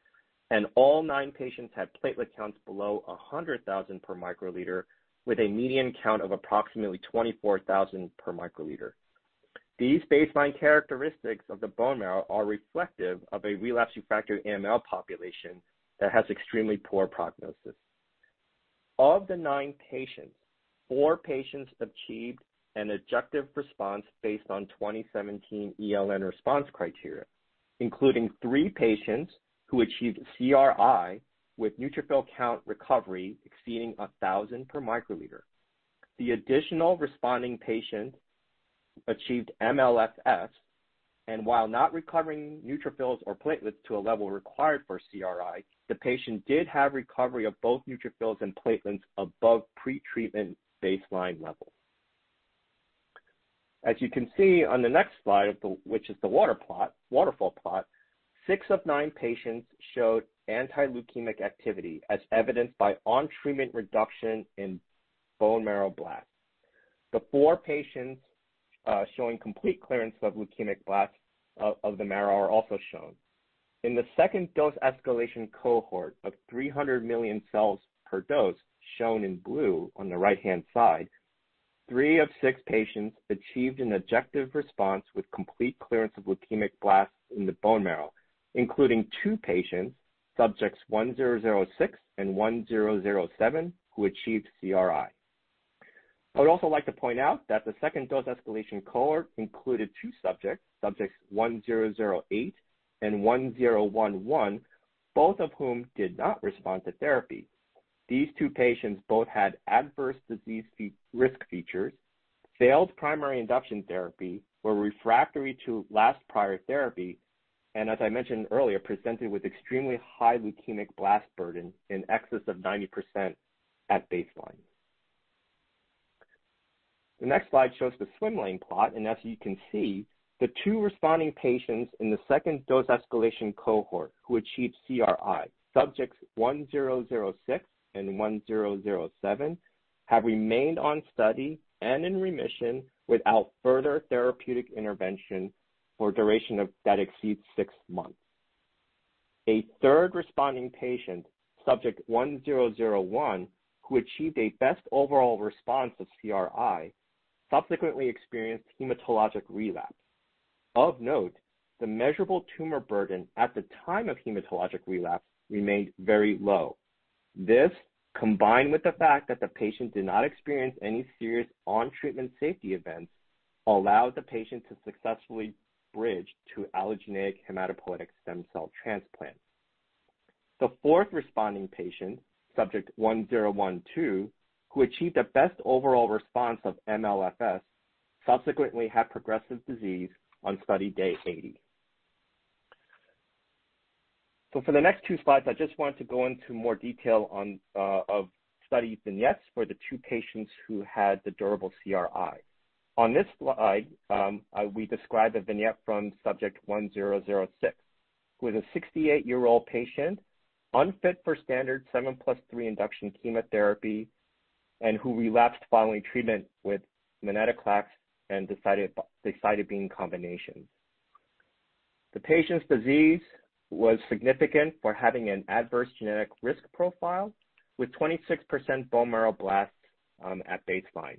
S4: and all nine patients had platelet counts below 100,000 per microliter with a median count of approximately 24,000 per microliter. These baseline characteristics of the bone marrow are reflective of a relapsed refractory AML population that has extremely poor prognosis. Of the nine patients, four patients achieved an objective response based on 2017 ELN response criteria, including three patients who achieved CRi with neutrophil count recovery exceeding 1,000 per microliter. The additional responding patient achieved MLFS, and while not recovering neutrophils or platelets to a level required for CRI, the patient did have recovery of both neutrophils and platelets above pretreatment baseline level. As you can see on the next slide, which is the waterfall plot, six of nine patients showed anti-leukemic activity as evidenced by on-treatment reduction in bone marrow blast. The four patients showing complete clearance of leukemic blasts of the marrow are also shown. In the second dose escalation cohort of 300 million cells per dose, shown in blue on the right-hand side, three of six patients achieved an objective response with complete clearance of leukemic blasts in the bone marrow, including two patients, subjects 1006 and 1007, who achieved CRI. I would also like to point out that the second dose escalation cohort included two subjects 1008 and 1011, both of whom did not respond to therapy. These two patients both had adverse disease risk features, failed primary induction therapy, were refractory to last prior therapy, and as I mentioned earlier, presented with extremely high leukemic blast burden in excess of 90% at baseline. The next slide shows the swim lane plot, and as you can see, the two responding patients in the second dose escalation cohort who achieved CRI, subjects 1006 and 1007, have remained on study and in remission without further therapeutic intervention for a duration that exceeds six months. A third responding patient, subject 1001, who achieved a best overall response of CRI, subsequently experienced hematologic relapse. Of note, the measurable tumor burden at the time of hematologic relapse remained very low. This, combined with the fact that the patient did not experience any serious on-treatment safety events, allowed the patient to successfully bridge to allogeneic hematopoietic stem cell transplant. The fourth responding patient, subject 1012, who achieved a best overall response of MLFS, subsequently had progressive disease on study day 80. For the next two slides, I just wanted to go into more detail of study vignettes for the two patients who had the durable CRI. On this slide, we describe the vignette from subject 1006, who is a 68-year-old patient unfit for standard 7+3 induction chemotherapy and who relapsed following treatment with venetoclax and decitabine combination. The patient's disease was significant for having an adverse genetic risk profile with 26% bone marrow blasts at baseline.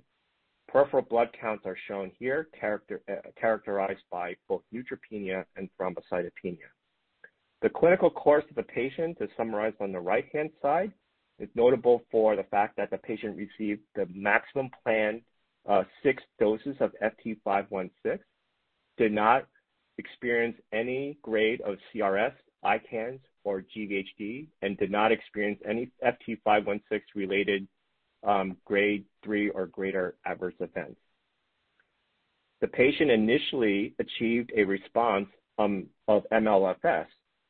S4: Peripheral blood counts are shown here, characterized by both neutropenia and thrombocytopenia. The clinical course of the patient is summarized on the right-hand side. It's notable for the fact that the patient received the maximum planned six doses of FT516, did not experience any grade of CRS, ICANS, or GvHD, and did not experience any FT516-related grade 3 or greater Adverse Events. The patient initially achieved a response of MLFS,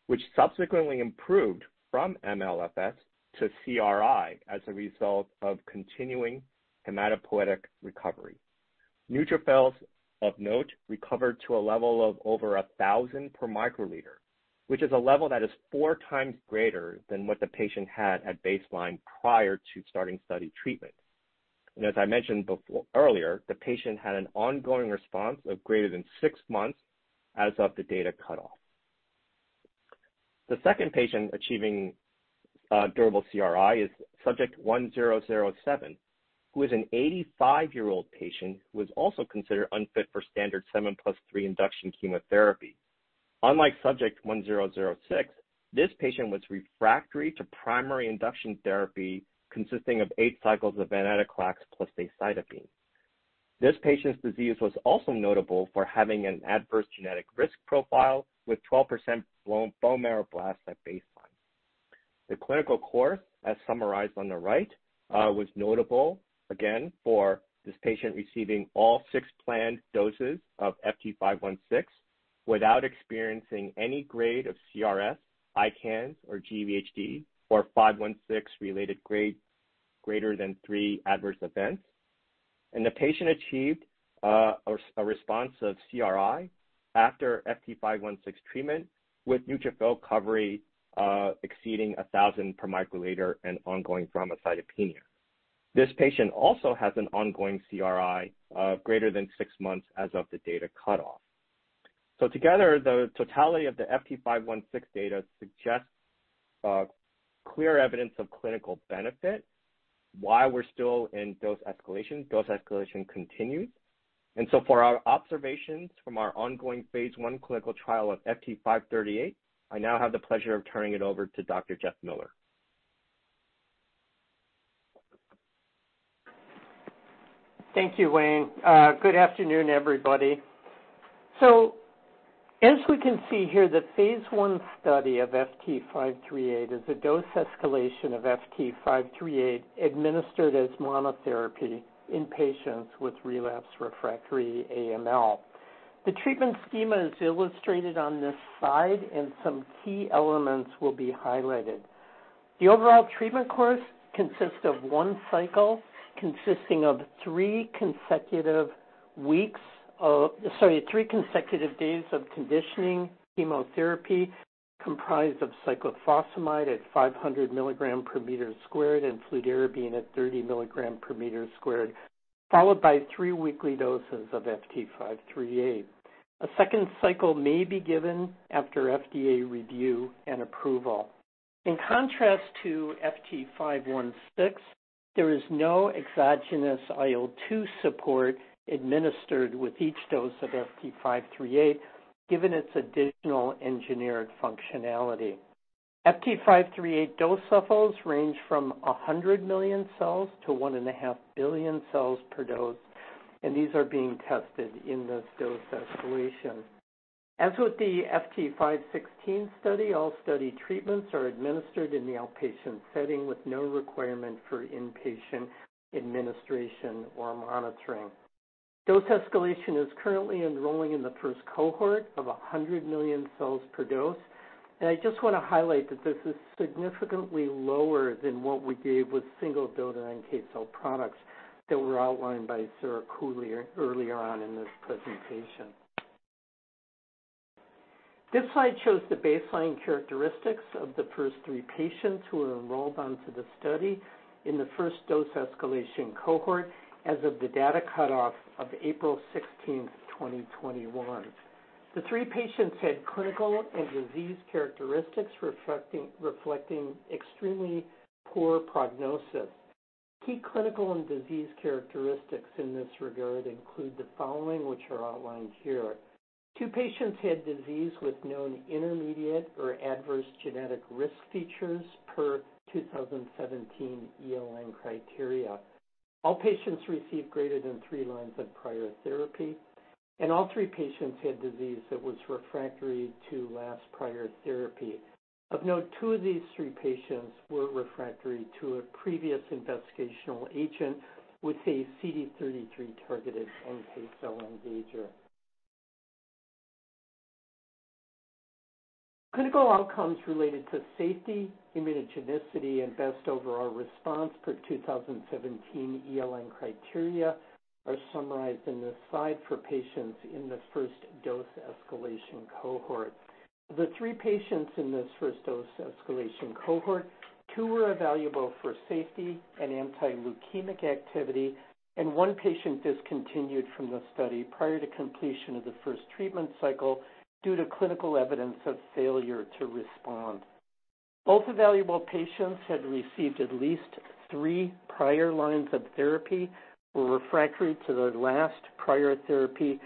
S4: which subsequently improved from MLFS to CRi as a result of continuing hematopoietic recovery. Neutrophils, of note, recovered to a level of over 1,000 per microliter, which is a level that is 4x greater than what the patient had at baseline prior to starting study treatment. As I mentioned earlier, the patient had an ongoing response of greater than six months as of the data cutoff. The second patient achieving durable CRI is subject 1007, who is an 85-year-old patient who was also considered unfit for standard 7+3 induction chemotherapy. Unlike subject 1006, this patient was refractory to primary induction therapy consisting of eight cycles of venetoclax plus decitabine. This patient's disease was also notable for having an adverse genetic risk profile with 12% bone marrow blasts at baseline. The clinical course, as summarized on the right, was notable again for this patient receiving all six planned doses of FT516 without experiencing any grade of CRS, ICANS, or GvHD, or FT516 related greater than three adverse events. The patient achieved a response of CRi after FT516 treatment with neutrophil recovery exceeding 1,000 per microliter and ongoing thrombocytopenia. This patient also has an ongoing CRi of greater than six months as of the data cutoff. Together, the totality of the FT516 data suggests clear evidence of clinical benefit while we're still in dose escalation. Dose escalation continues. For our observations from our ongoing Phase I clinical trial of FT538, I now have the pleasure of turning it over to Dr. Jeff Miller.
S5: Thank you, Waye. Good afternoon, everybody. As we can see here, the phase I study of FT538 is a dose escalation of FT538 administered as monotherapy in patients with relapsed/refractory AML. The treatment schema is illustrated on this slide, and some key elements will be highlighted. The overall treatment course consists of one cycle consisting of three consecutive days of conditioning chemotherapy comprised of cyclophosphamide at 500 milligram per meter squared and fludarabine at 30 milligram per meter squared, followed by three weekly doses of FT538. A second cycle may be given after FDA review and approval. In contrast to FT516, there is no exogenous IL-2 support administered with each dose of FT538, given its additional engineered functionality. FT538 dose levels range from 100 million cells to 1.5 billion cells per dose, and these are being tested in this dose escalation. As with the FT516 study, all study treatments are administered in the outpatient setting with no requirement for inpatient administration or monitoring. Dose escalation is currently enrolling in the first cohort of 100 million cells per dose. I just want to highlight that this is significantly lower than what we gave with single-dose NK cell products that were outlined by Sarah Cooley earlier on in this presentation. This slide shows the baseline characteristics of the first three patients who were enrolled onto the study in the first dose escalation cohort as of the data cutoff of April 16th, 2021. The three patients had clinical and disease characteristics reflecting extremely poor prognosis. Key clinical and disease characteristics in this regard include the following, which are outlined here. Two patients had disease with known intermediate or adverse genetic risk features per 2017 ELN criteria. All patients received greater than three lines of prior therapy, and all three patients had disease that was refractory to last prior therapy. Of note, two of these three patients were refractory to a previous investigational agent with a CD33-targeted NK cell engager. Clinical outcomes related to safety, immunogenicity, and best overall response per 2017 ELN criteria are summarized in this slide for patients in the first dose escalation cohort. Of the three patients in this first dose escalation cohort, two were evaluable for safety and anti-leukemic activity, and one patient discontinued from the study prior to completion of the first treatment cycle due to clinical evidence of failure to respond. Both evaluable patients had received at least three prior lines of therapy, were refractory to the last prior therapy,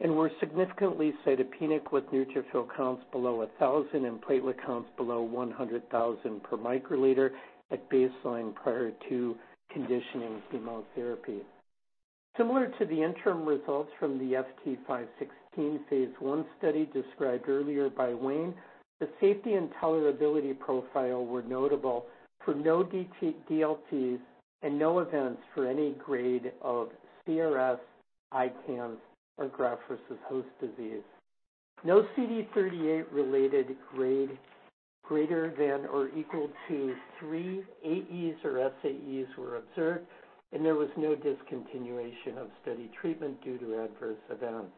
S5: and were significantly cytopenic, with neutrophil counts below 1,000 and platelet counts below 100,000 per microliter at baseline prior to conditioning chemotherapy. Similar to the interim results from the FT516 phase I study described earlier by Waye, the safety and tolerability profile were notable for no DLTs and no events for any grade of CRS, ICANS, or graft versus host disease. No CD38-related grade greater than or equal to three AEs or SAEs were observed, and there was no discontinuation of study treatment due to adverse events.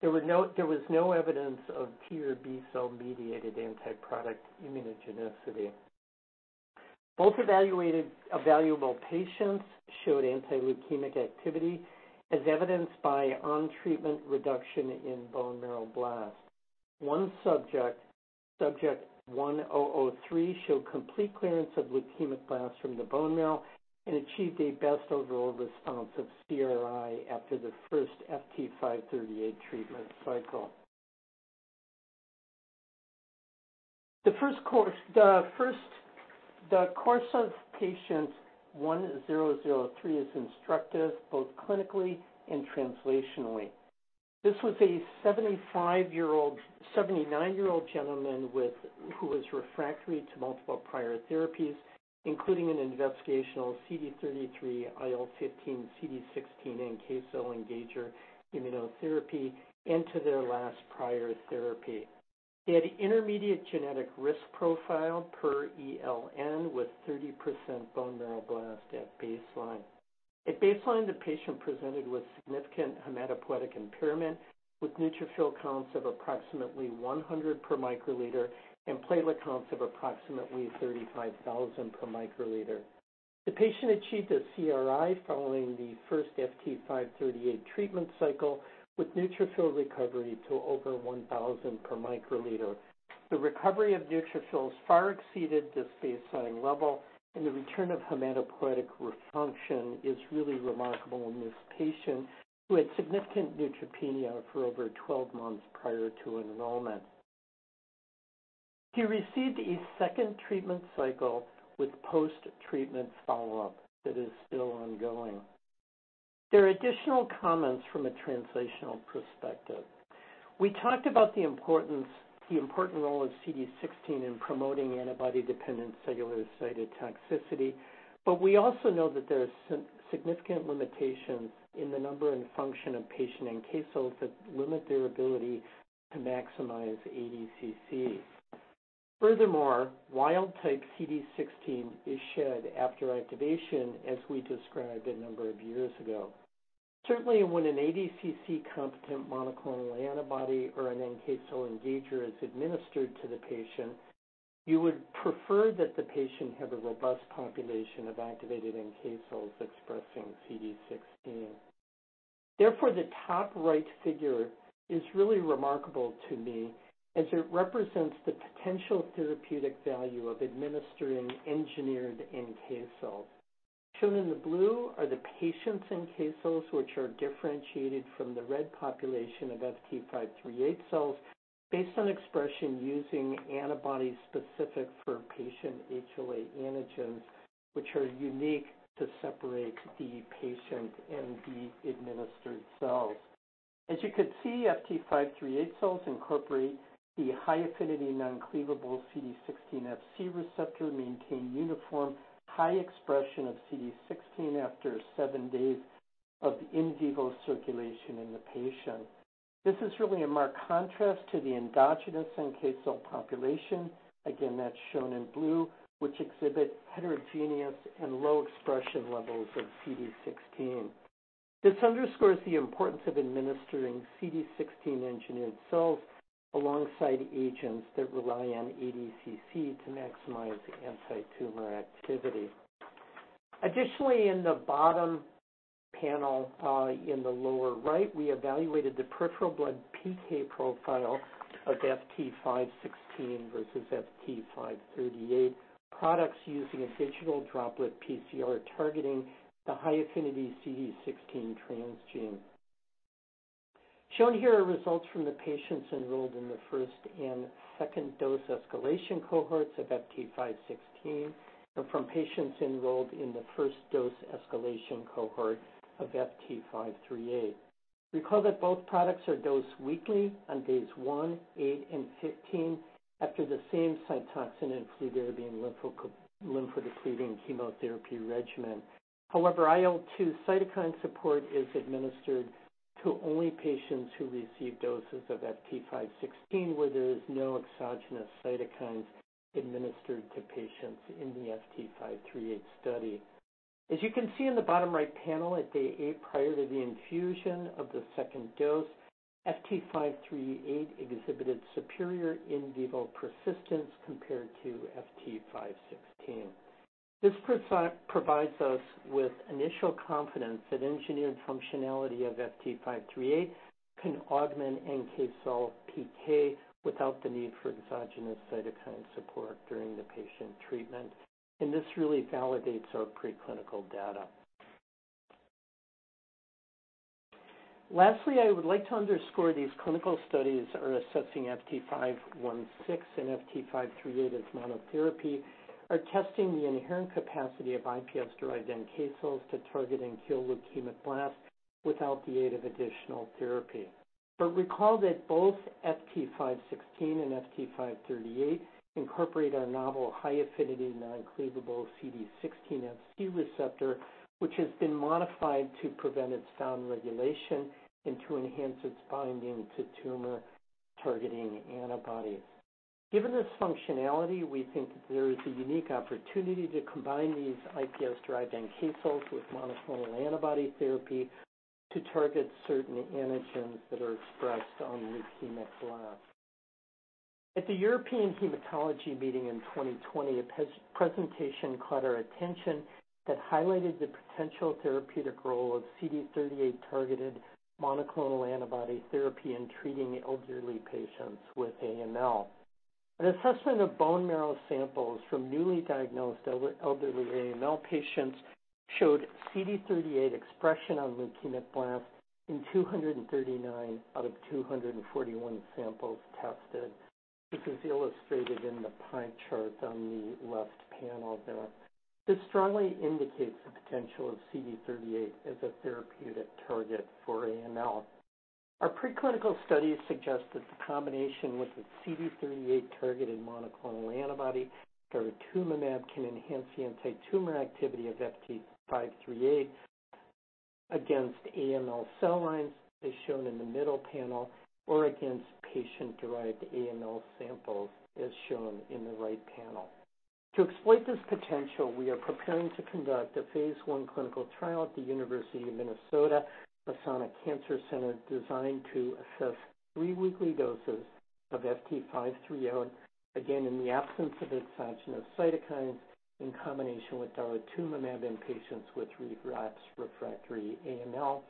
S5: There was no evidence of T or B cell mediated anti-product immunogenicity. Both evaluable patients showed anti-leukemic activity as evidenced by on-treatment reduction in bone marrow blast. One subject 1003, showed complete clearance of leukemic blasts from the bone marrow and achieved a best overall response of CRi after the first FT538 treatment cycle. The course of patient 1003 is instructive both clinically and translationally. This was a 79-year-old gentleman who was refractory to multiple prior therapies, including an investigational CD33, IL-15, CD16 NK cell engager immunotherapy, and to their last prior therapy. He had intermediate genetic risk profile per ELN, with 30% bone marrow blast at baseline. At baseline, the patient presented with significant hematopoietic impairment, with neutrophil counts of approximately 100 per microliter and platelet counts of approximately 35,000 per microliter. The patient achieved a CRi following the first FT538 treatment cycle, with neutrophil recovery to over 1,000 per microliter. The recovery of neutrophils far exceeded this baseline level, and the return of hematopoietic function is really remarkable in this patient, who had significant neutropenia for over 12 months prior to enrollment. He received a second treatment cycle with post-treatment follow-up that is still ongoing. There are additional comments from a translational perspective. We talked about the important role of CD16 in promoting antibody-dependent cellular cytotoxicity. We also know that there are significant limitations in the number and function of patient NK cells that limit their ability to maximize ADCC. Furthermore, wild type CD16 is shed after activation, as we described a number of years ago. Certainly when an ADCC competent monoclonal antibody or an NK cell engager is administered to the patient, you would prefer that the patient have a robust population of activated NK cells expressing CD16. Therefore, the top right figure is really remarkable to me, as it represents the potential therapeutic value of administering engineered NK cells. Shown in the blue are the patient's NK cells, which are differentiated from the red population of FT538 cells based on expression using antibodies specific for patient HLA antigens, which are unique to separate the patient and the administered cells. As you could see, FT538 cells incorporate the high affinity non-cleavable CD16 Fc receptor, maintain uniform high expression of CD16 after seven days of in vivo circulation in the patient. This is really a marked contrast to the endogenous NK cell population, again, that's shown in blue, which exhibit heterogeneous and low expression levels of CD16. This underscores the importance of administering CD16 engineered cells alongside agents that rely on ADCC to maximize anti-tumor activity. Additionally, in the bottom panel, in the lower right, we evaluated the peripheral blood PK profile of FT516 versus FT538 products using a Droplet Digital PCR targeting the high affinity CD16 transgene. Shown here are results from the patients enrolled in the first and second dose escalation cohorts of FT516, and from patients enrolled in the first dose escalation cohort of FT538. Recall that both products are dosed weekly on days one, eight, and 15 after the same Cytoxan and fludarabine lymphodepleting chemotherapy regimen. However, IL-2 cytokine support is administered to only patients who receive doses of FT516, where there is no exogenous cytokines administered to patients in the FT538 study. As you can see in the bottom right panel, at day eight, prior to the infusion of the second dose, FT538 exhibited superior in vivo persistence compared to FT516. This provides us with initial confidence that engineered functionality of FT538 can augment NK cell PK without the need for exogenous cytokine support during the patient treatment. This really validates our preclinical data. Lastly, I would like to underscore these clinical studies that are assessing FT516 and FT538 as monotherapy, are testing the inherent capacity of iPSC derived NK cells to target and kill leukemic blasts without the aid of additional therapy. Recall that both FT516 and FT538 incorporate our novel high affinity non-cleavable CD16 Fc receptor, which has been modified to prevent its down-regulation and to enhance its binding to tumor targeting antibodies. Given this functionality, we think that there is a unique opportunity to combine these iPSC derived NK cells with monoclonal antibody therapy to target certain antigens that are expressed on leukemic blasts. At the European Hematology Association meeting in 2020, a presentation caught our attention that highlighted the potential therapeutic role of CD38 targeted monoclonal antibody therapy in treating elderly patients with AML. An assessment of bone marrow samples from newly diagnosed elderly AML patients showed CD38 expression on leukemic blasts in 239 out of 241 samples tested, which is illustrated in the pie chart on the left panel there. This strongly indicates the potential of CD38 as a therapeutic target for AML. Our preclinical studies suggest that the combination with the CD38 targeted monoclonal antibody daratumumab can enhance the anti-tumor activity of FT538 against AML cell lines, as shown in the middle panel, or against patient derived AML samples, as shown in the right panel. To exploit this potential, we are preparing to conduct a phase I clinical trial at the University of Minnesota Masonic Cancer Center, designed to assess three weekly doses of FT530, again in the absence of exogenous cytokines, in combination with daratumumab in patients with relapsed refractory AML.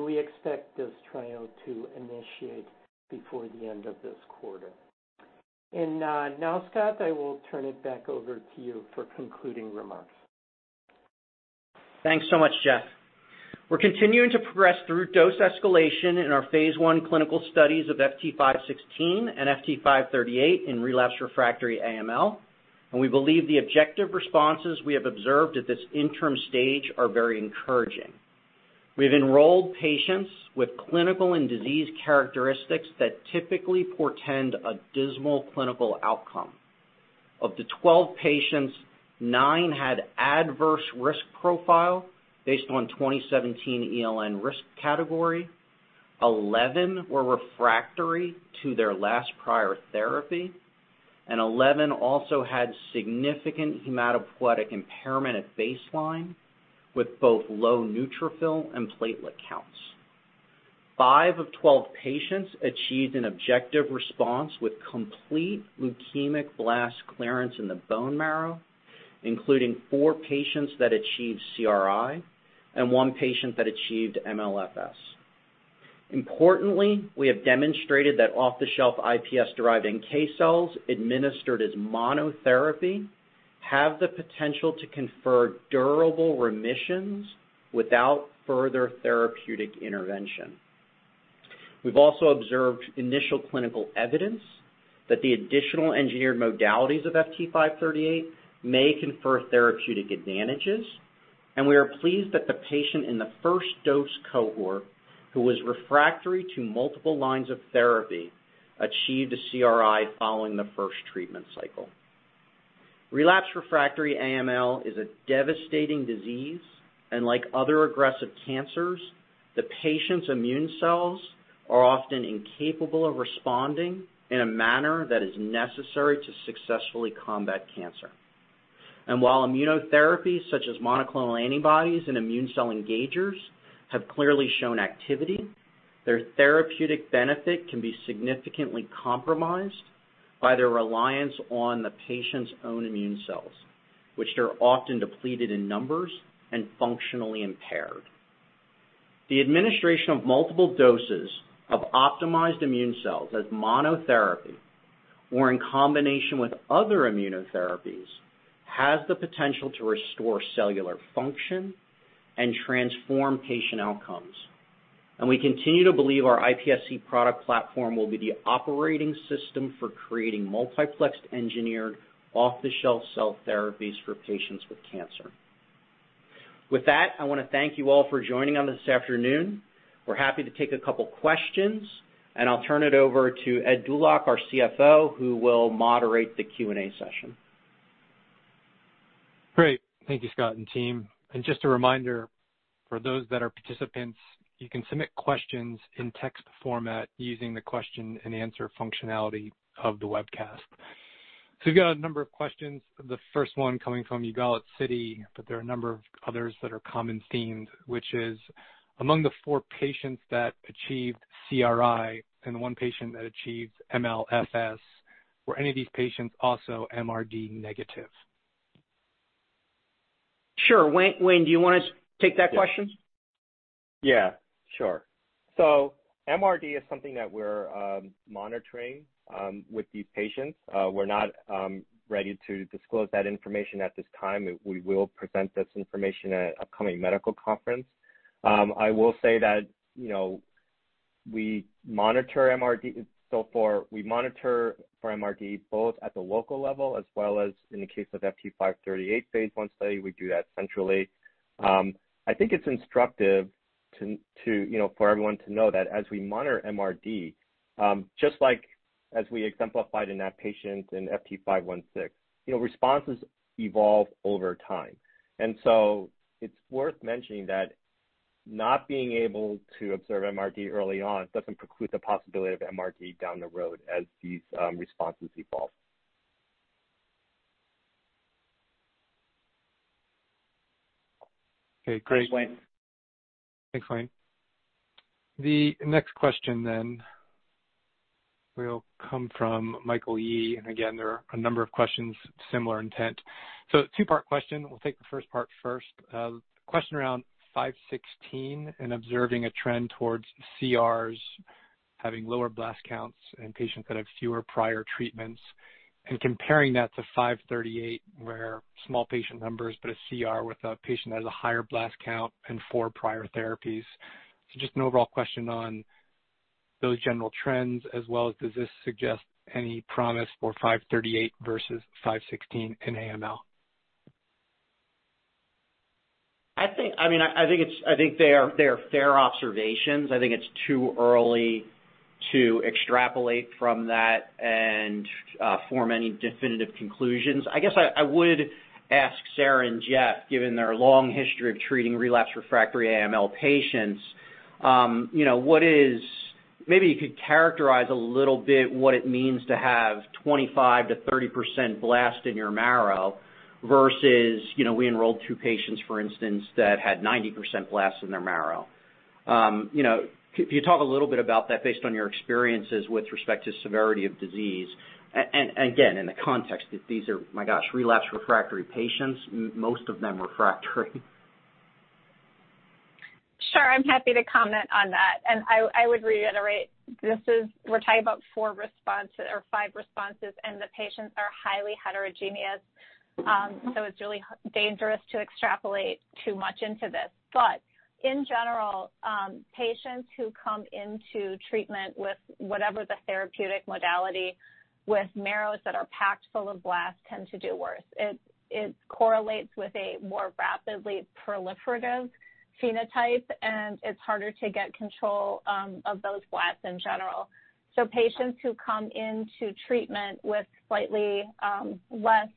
S5: We expect this trial to initiate before the end of this quarter. Now, Scott, I will turn it back over to you for concluding remarks.
S1: Thanks so much, Jeff. We're continuing to progress through dose escalation in our phase I clinical studies of FT516 and FT538 in relapse refractory AML, and we believe the objective responses we have observed at this interim stage are very encouraging. We've enrolled patients with clinical and disease characteristics that typically portend a dismal clinical outcome. Of the 12 patients, nine had adverse risk profile based on 2017 ELN risk category, 11 were refractory to their last prior therapy. 11 also had significant hematopoietic impairment at baseline with both low neutrophil and platelet counts. Five of 12 patients achieved an objective response with complete leukemic blast clearance in the bone marrow, including four patients that achieved CRi and one patient that achieved MLFS. Importantly, we have demonstrated that off-the-shelf iPSC-derived NK cells administered as monotherapy have the potential to confer durable remissions without further therapeutic intervention. We've also observed initial clinical evidence that the additional engineered modalities of FT538 may confer therapeutic advantages, and we are pleased that the patient in the first dose cohort, who was refractory to multiple lines of therapy, achieved a CRi following the first treatment cycle. Relapse refractory AML is a devastating disease, and like other aggressive cancers, the patient's immune cells are often incapable of responding in a manner that is necessary to successfully combat cancer. While immunotherapies such as monoclonal antibodies and immune cell engagers have clearly shown activity, their therapeutic benefit can be significantly compromised by their reliance on the patient's own immune cells, which are often depleted in numbers and functionally impaired. The administration of multiple doses of optimized immune cells as monotherapy or in combination with other immunotherapies, has the potential to restore cellular function and transform patient outcomes. We continue to believe our iPSC product platform will be the operating system for creating multiplex engineered off-the-shelf cell therapies for patients with cancer. With that, I want to thank you all for joining us this afternoon. We're happy to take a couple questions, and I'll turn it over to Edward Dulac, our CFO, who will moderate the Q&A session.
S6: Great. Thank you, Scott and team. Just a reminder for those that are participants, you can submit questions in text format using the question and answer functionality of the webcast. We've got a number of questions. The first one coming from Yigal from Citi, there are a number of others that are common themed, which is, among the four patients that achieved CRi and the one patient that achieved MLFS, were any of these patients also MRD negative?
S1: Sure. Waye, do you want to take that question?
S4: Yeah, sure. MRD is something that we're monitoring with these patients. We're not ready to disclose that information at this time. We will present this information at upcoming medical conference. I will say that we monitor MRD both at the local level as well as in the case of FT538 phase I study, we do that centrally. I think it's instructive for everyone to know that as we monitor MRD, just like as we exemplified in that patient in FT516, responses evolve over time. It's worth mentioning that not being able to observe MRD early on doesn't preclude the possibility of MRD down the road as these responses evolve.
S6: Okay, great.
S1: Thanks, Waye.
S6: Thanks, Waye. The next question will come from Michael Yee, and again, there are a number of questions, similar intent. Two-part question. We'll take the first part first. Question around 516 and observing a trend towards CRs having lower blast counts in patients that have fewer prior treatments, and comparing that to 538, where small patient numbers but a CR with a patient that has a higher blast count and four prior therapies. Just an overall question on those general trends, as well as does this suggest any promise for 538 versus 516 in AML?
S1: I think they are fair observations. I think it's too early to extrapolate from that and form any definitive conclusions. I guess I would ask Sarah and Jeff, given their long history of treating relapse refractory AML patients, maybe you could characterize a little bit what it means to have 25%-30% blast in your marrow versus, we enrolled two patients, for instance, that had 90% blast in their marrow. Can you talk a little bit about that based on your experiences with respect to severity of disease? And again, in the context that these are, my gosh, relapse refractory patients, most of them refractory.
S2: Sure. I'm happy to comment on that. I would reiterate, we're talking about four responses or five responses, and the patients are highly heterogeneous. It's really dangerous to extrapolate too much into this. In general, patients who come into treatment with whatever the therapeutic modality with marrows that are packed full of blasts tend to do worse. It correlates with a more rapidly proliferative phenotype, and it's harder to get control of those blasts in general. Patients who come into treatment with slightly less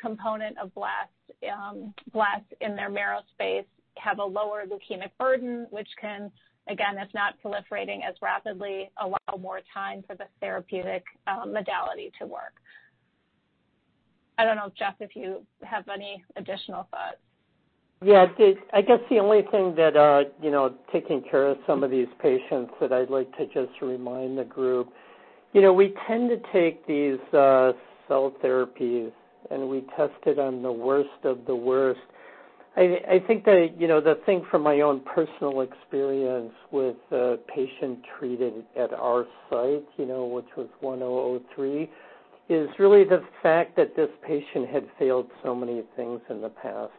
S2: component of blasts in their marrow space have a lower leukemic burden, which can, again, it's not proliferating as rapidly, allow more time for the therapeutic modality to work. I don't know, Jeff, if you have any additional thoughts.
S5: Yeah. I guess the only thing that, taking care of some of these patients that I'd like to just remind the group, we tend to take these cell therapies, and we test it on the worst of the worst. I think that the thing from my own personal experience with a patient treated at our site, which was 1003, is really the fact that this patient had failed so many things in the past.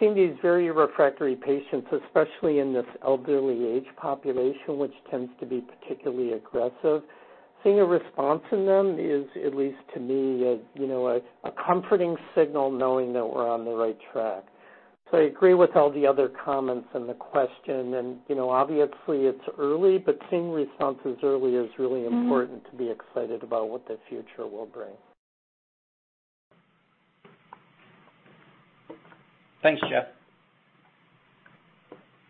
S5: Seeing these very refractory patients, especially in this elderly age population, which tends to be particularly aggressive, seeing a response in them is, at least to me, a comforting signal knowing that we're on the right track. I agree with all the other comments and the question, and obviously it's early, but seeing responses early is really important to be excited about what the future will bring.
S4: Thanks, Jeff.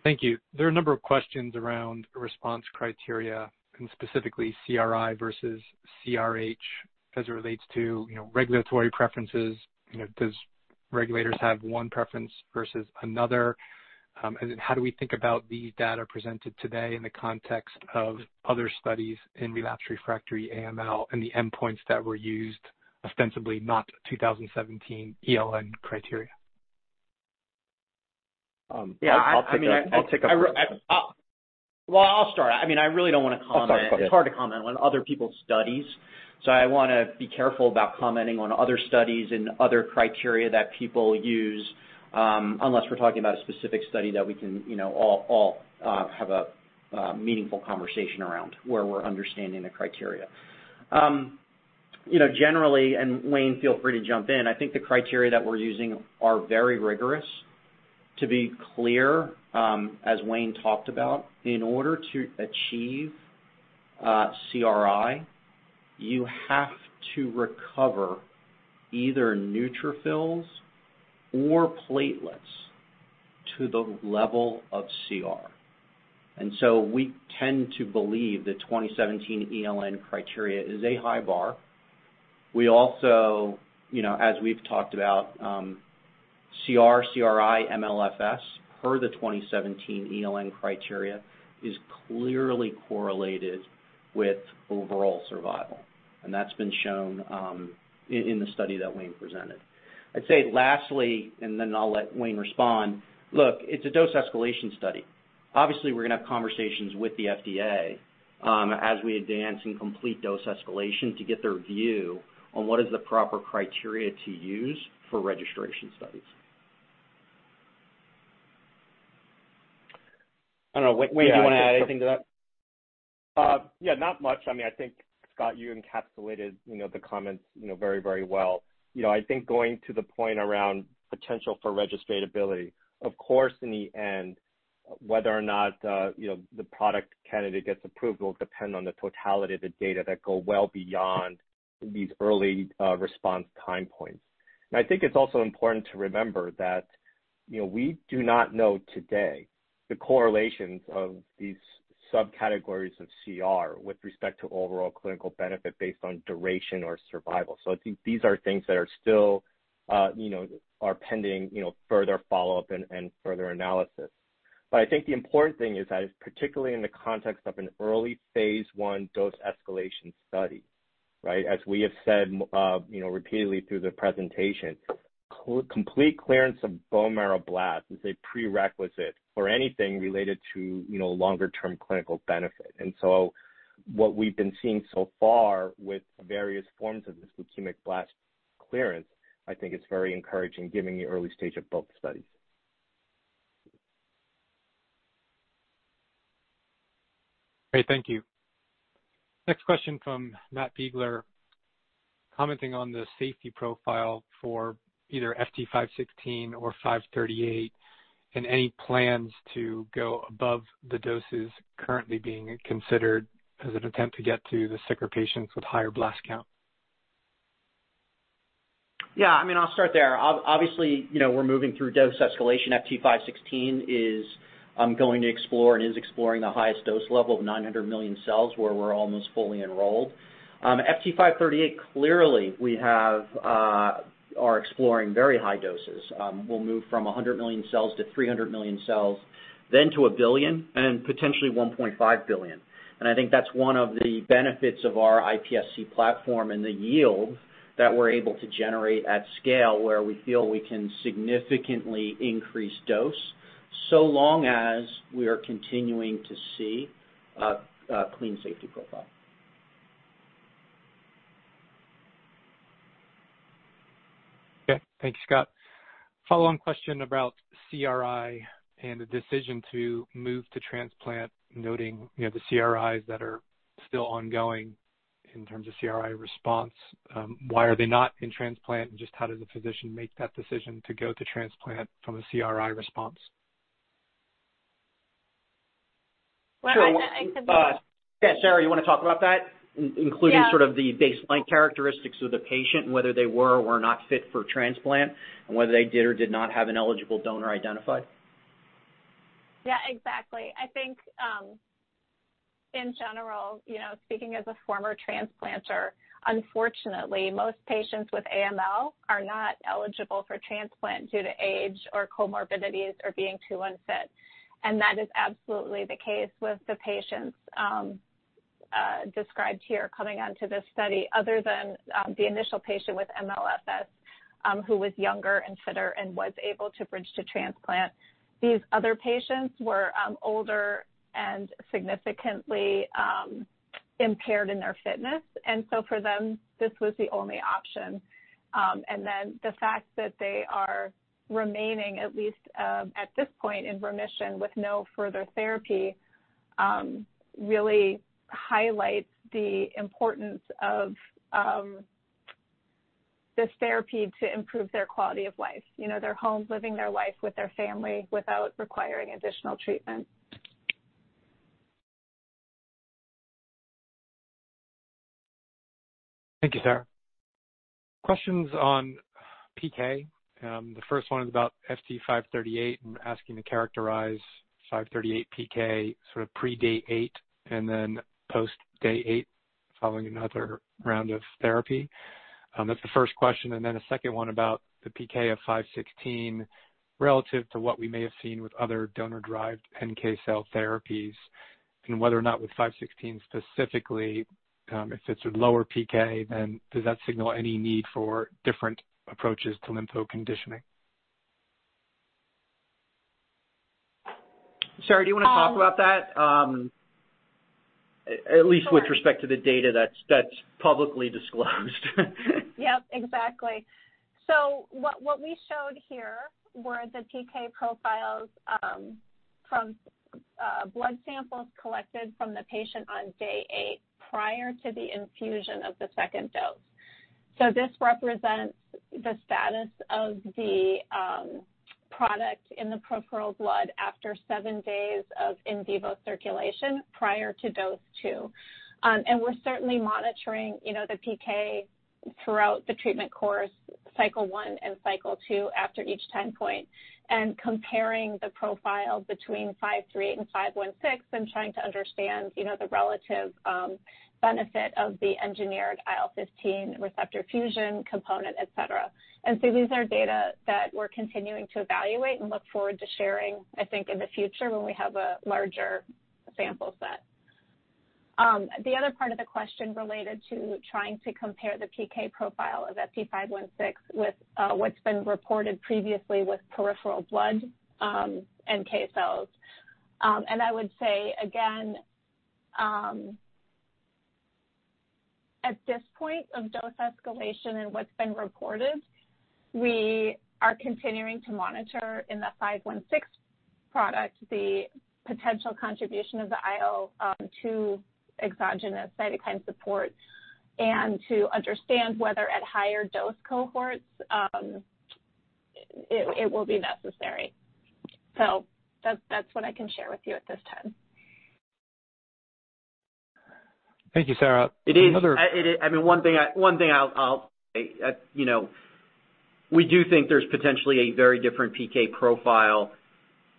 S6: Thank you. There are a number of questions around response criteria and specifically CRI versus CRh as it relates to regulatory preferences. Does regulators have one preference versus another? How do we think about the data presented today in the context of other studies in relapse refractory AML and the endpoints that were used, ostensibly not 2017 ELN criteria?
S4: Yeah, I'll take.
S1: Well, I'll start. I really don't want to comment.
S4: I'll start. Go ahead.
S1: It's hard to comment on other people's studies. I want to be careful about commenting on other studies and other criteria that people use, unless we're talking about a specific study that we can all have a meaningful conversation around where we're understanding the criteria. Generally, Waye, feel free to jump in, I think the criteria that we're using are very rigorous. To be clear, as Waye talked about, in order to achieve CRI, you have to recover either neutrophils or platelets to the level of CR. We tend to believe the 2017 ELN criteria is a high bar. We also, as we've talked about, CR, CRI, MLFS per the 2017 ELN criteria is clearly correlated with overall survival, and that's been shown in the study that Waye presented. I'd say lastly, I'll let Waye respond. Look, it's a dose escalation study. Obviously, we're going to have conversations with the FDA as we advance and complete dose escalation to get their view on what is the proper criteria to use for registration studies. I don't know, Waye, do you want to add anything to that?
S4: Yeah, not much. I think, Scott, you encapsulated the comments very, very well. I think going to the point around potential for registratability, of course, in the end, whether or not the product candidate gets approved will depend on the totality of the data that go well beyond these early response time points. I think it's also important to remember that we do not know today the correlations of these subcategories of CR with respect to overall clinical benefit based on duration or survival. I think these are things that still are pending further follow-up and further analysis. I think the important thing is that, particularly in the context of an early phase I dose escalation study. As we have said repeatedly through the presentation, complete clearance of bone marrow blasts is a prerequisite for anything related to longer-term clinical benefit. What we've been seeing so far with various forms of this leukemic blast clearance, I think is very encouraging given the early stage of both studies.
S6: Great. Thank you. Next question from Matthew Biegler, commenting on the safety profile for either FT516 or 538 and any plans to go above the doses currently being considered as an attempt to get to the sicker patients with higher blast count.
S1: Yeah, I'll start there. Obviously, we're moving through dose escalation. FT516 is going to explore and is exploring the highest dose level of 900 million cells where we're almost fully enrolled. FT538, clearly we are exploring very high doses. We'll move from 100 million cells to 300 million cells, then to a billion and potentially 1.5 billion. I think that's one of the benefits of our iPSC platform and the yield that we're able to generate at scale where we feel we can significantly increase dose so long as we are continuing to see a clean safety profile.
S6: Okay. Thank you, Scott. Follow-on question about CRi and the decision to move to transplant, noting the CRIs that are still ongoing in terms of CRi response. Why are they not in transplant and just how does a physician make that decision to go to transplant from a CRi response?
S2: Well, I could-
S1: Yeah, Sarah, you want to talk about that?
S2: Yeah.
S1: Including sort of the baseline characteristics of the patient, whether they were or were not fit for transplant, and whether they did or did not have an eligible donor identified.
S2: Yeah, exactly. I think, in general, speaking as a former transplanter, unfortunately, most patients with AML are not eligible for transplant due to age or comorbidities or being too unfit. That is absolutely the case with the patients described here coming onto this study, other than the initial patient with MLFS, who was younger and fitter and was able to bridge to transplant. These other patients were older and significantly impaired in their fitness. For them, this was the only option. The fact that they are remaining, at least at this point, in remission with no further therapy, really highlights the importance of this therapy to improve their quality of life. They're home living their life with their family without requiring additional treatment.
S6: Thank you, Sarah. Questions on PK. The first one is about FT538 and asking to characterize 538 PK sort of pre-day eight and then post day eight following another round of therapy. That's the first question. A second one about the PK of 516 relative to what we may have seen with other donor-derived NK cell therapies and whether or not with 516 specifically, if it's a lower PK, then does that signal any need for different approaches to lympho-conditioning?
S1: Sarah, do you want to talk about that? At least with respect to the data that's publicly disclosed.
S2: Yep, exactly. What we showed here were the PK profiles from blood samples collected from the patient on day eight prior to the infusion of the second dose. This represents the status of the product in the peripheral blood after seven days of in vivo circulation prior to dose two. We're certainly monitoring the PK throughout the treatment course, cycle one and cycle two after each time point, comparing the profiles between 538 and 516 and trying to understand the relative benefit of the engineered IL-15 receptor fusion component, et cetera. These are data that we're continuing to evaluate and look forward to sharing, I think, in the future when we have a larger sample set. The other part of the question related to trying to compare the PK profile of FT516 with what's been reported previously with peripheral blood NK cells. I would say again, at this point of dose escalation and what's been reported, we are continuing to monitor in the 516 product the potential contribution of the IL-2 to exogenous cytokine support and to understand whether at higher dose cohorts it will be necessary. That's what I can share with you at this time.
S6: Thank you, Sarah.
S1: One thing I'll say. We do think there's potentially a very different PK profile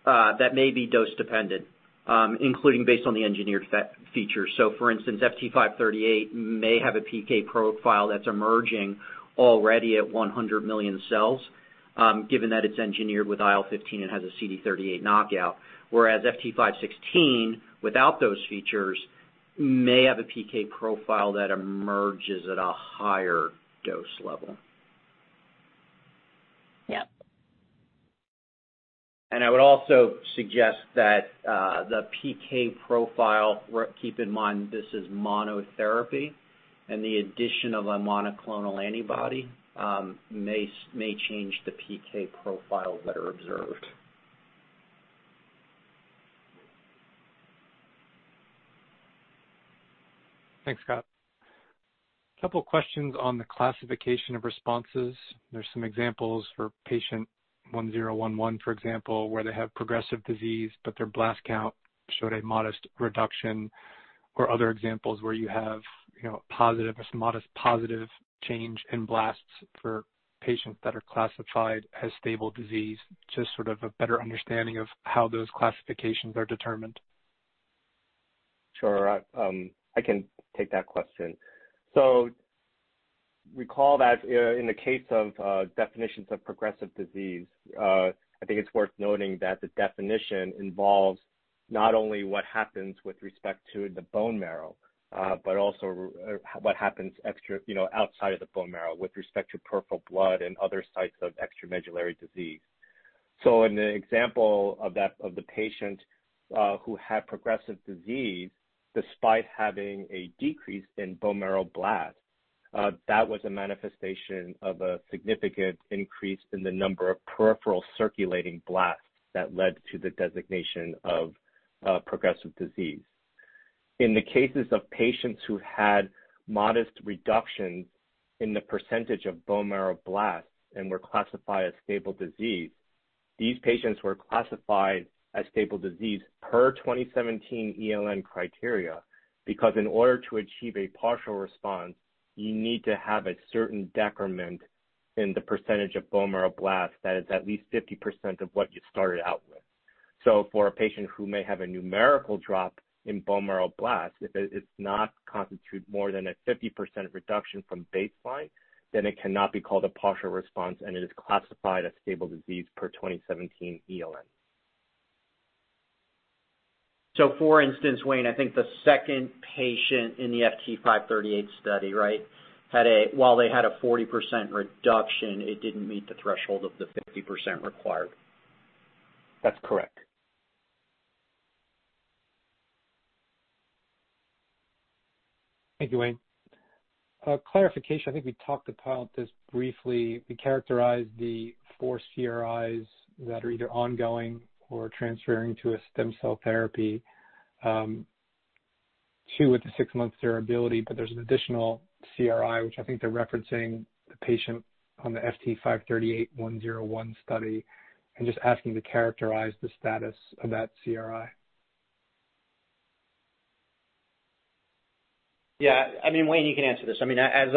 S1: that may be dose-dependent, including based on the engineered features. For instance, FT538 may have a PK profile that's emerging already at 100 million cells, given that it's engineered with IL-15 and has a CD38 knockout. Whereas FT516, without those features, may have a PK profile that emerges at a higher dose level.
S2: Yep.
S1: I would also suggest that the PK profile, keep in mind this is monotherapy, and the addition of a monoclonal antibody may change the PK profiles that are observed.
S6: Thanks, Scott. Couple questions on the classification of responses. There's some examples for patient 1011, for example, where they have progressive disease, but their blast count showed a modest reduction, or other examples where you have a modest positive change in blasts for patients that are classified as stable disease. Just sort of a better understanding of how those classifications are determined.
S4: Sure. I can take that question. Recall that in the case of definitions of progressive disease, I think it's worth noting that the definition involves not only what happens with respect to the bone marrow, but also what happens outside of the bone marrow with respect to peripheral blood and other sites of extramedullary disease. In the example of the patient who had progressive disease despite having a decrease in bone marrow blast, that was a manifestation of a significant increase in the number of peripheral circulating blasts that led to the designation of progressive disease. In the cases of patients who had modest reductions in the percentage of bone marrow blasts and were classified as stable disease, these patients were classified as stable disease per 2017 ELN criteria, because in order to achieve a partial response, you need to have a certain decrement in the percentage of bone marrow blasts that is at least 50% of what you started out with. For a patient who may have a numerical drop in bone marrow blasts, if it does not constitute more than a 50% reduction from baseine, then it cannot be called a partial response, and it is classified as stable disease per 2017 ELN.
S1: For instance, Waye, I think the second patient in the FT538 study, while they had a 40% reduction, it didn't meet the threshold of the 50% required.
S4: That's correct.
S6: Thank you, Waye. A clarification, I think we talked a tad about this briefly. We characterized the 4 CRIs that are either ongoing or transferring to a stem cell therapy, two with the six-month durability, but there's an additional CRI, which I think they're referencing the patient on the FT538-101 study and just asking to characterize the status of that CRI.
S1: Yeah. Waye, you can answer this. As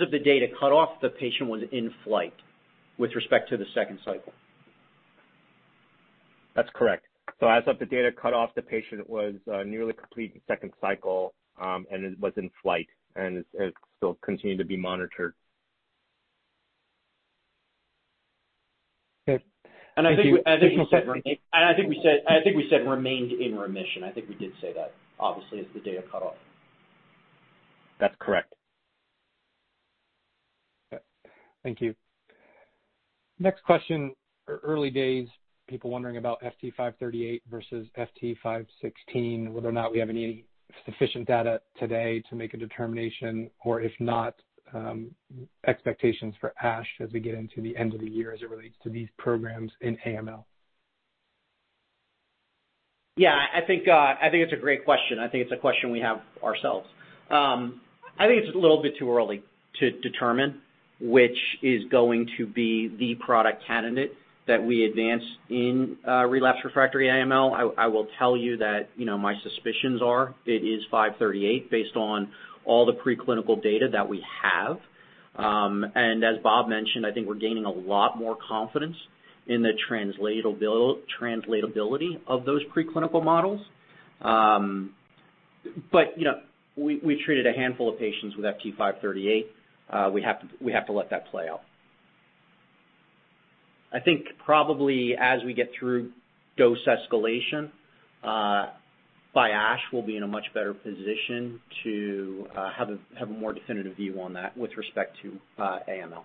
S1: of the data cutoff, the patient was in flight with respect to the second cycle.
S4: That's correct. As of the data cutoff, the patient was nearly complete second cycle, and it was in flight, and it still continued to be monitored.
S6: Okay. Thank you.
S1: I think we said remained in remission. I think we did say that, obviously, as the data cut off.
S4: That's correct.
S6: Thank you. Next question, early days, people wondering about FT538 versus FT516, whether or not we have any sufficient data today to make a determination, or if not, expectations for ASH as we get into the end of the year as it relates to these programs in AML?
S1: Yeah, I think it's a great question. I think it's a question we have ourselves. I think it's a little bit too early to determine which is going to be the product candidate that we advance in relapse refractory AML. I will tell you that my suspicions are it is FT538 based on all the preclinical data that we have. As Bob mentioned, I think we're gaining a lot more confidence in the translatability of those preclinical models. We treated a handful of patients with FT538. We have to let that play out. I think probably as we get through dose escalation by ASH, we'll be in a much better position to have a more definitive view on that with respect to AML.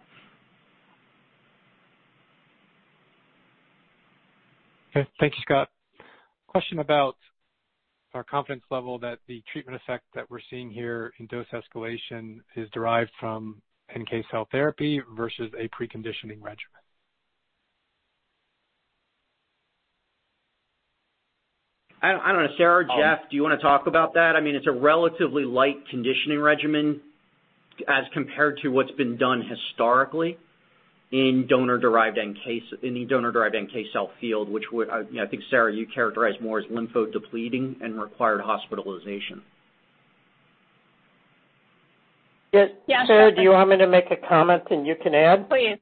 S6: Okay. Thank you, Scott. Question about our confidence level that the treatment effect that we're seeing here in dose escalation is derived from NK cell therapy versus a preconditioning regimen.
S1: I don't know. Sarah, Jeff, do you want to talk about that? It's a relatively light conditioning regimen as compared to what's been done historically in the donor-derived NK cell field, which I think, Sarah, you characterized more as lymphodepleting and required hospitalization.
S5: Yes. Sarah, do you want me to make a comment and you can add?
S2: Please.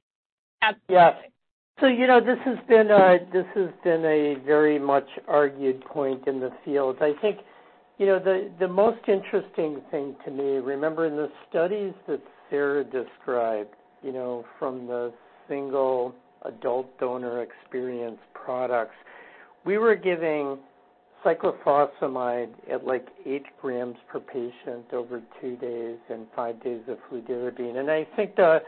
S2: Absolutely.
S5: Yeah. This has been a very much argued point in the field. I think the most interesting thing to me, remember in the studies that Sarah described from the single adult donor experience products, we were giving cyclophosphamide at 8 grams per patient over two days and five days of fludarabine. I think that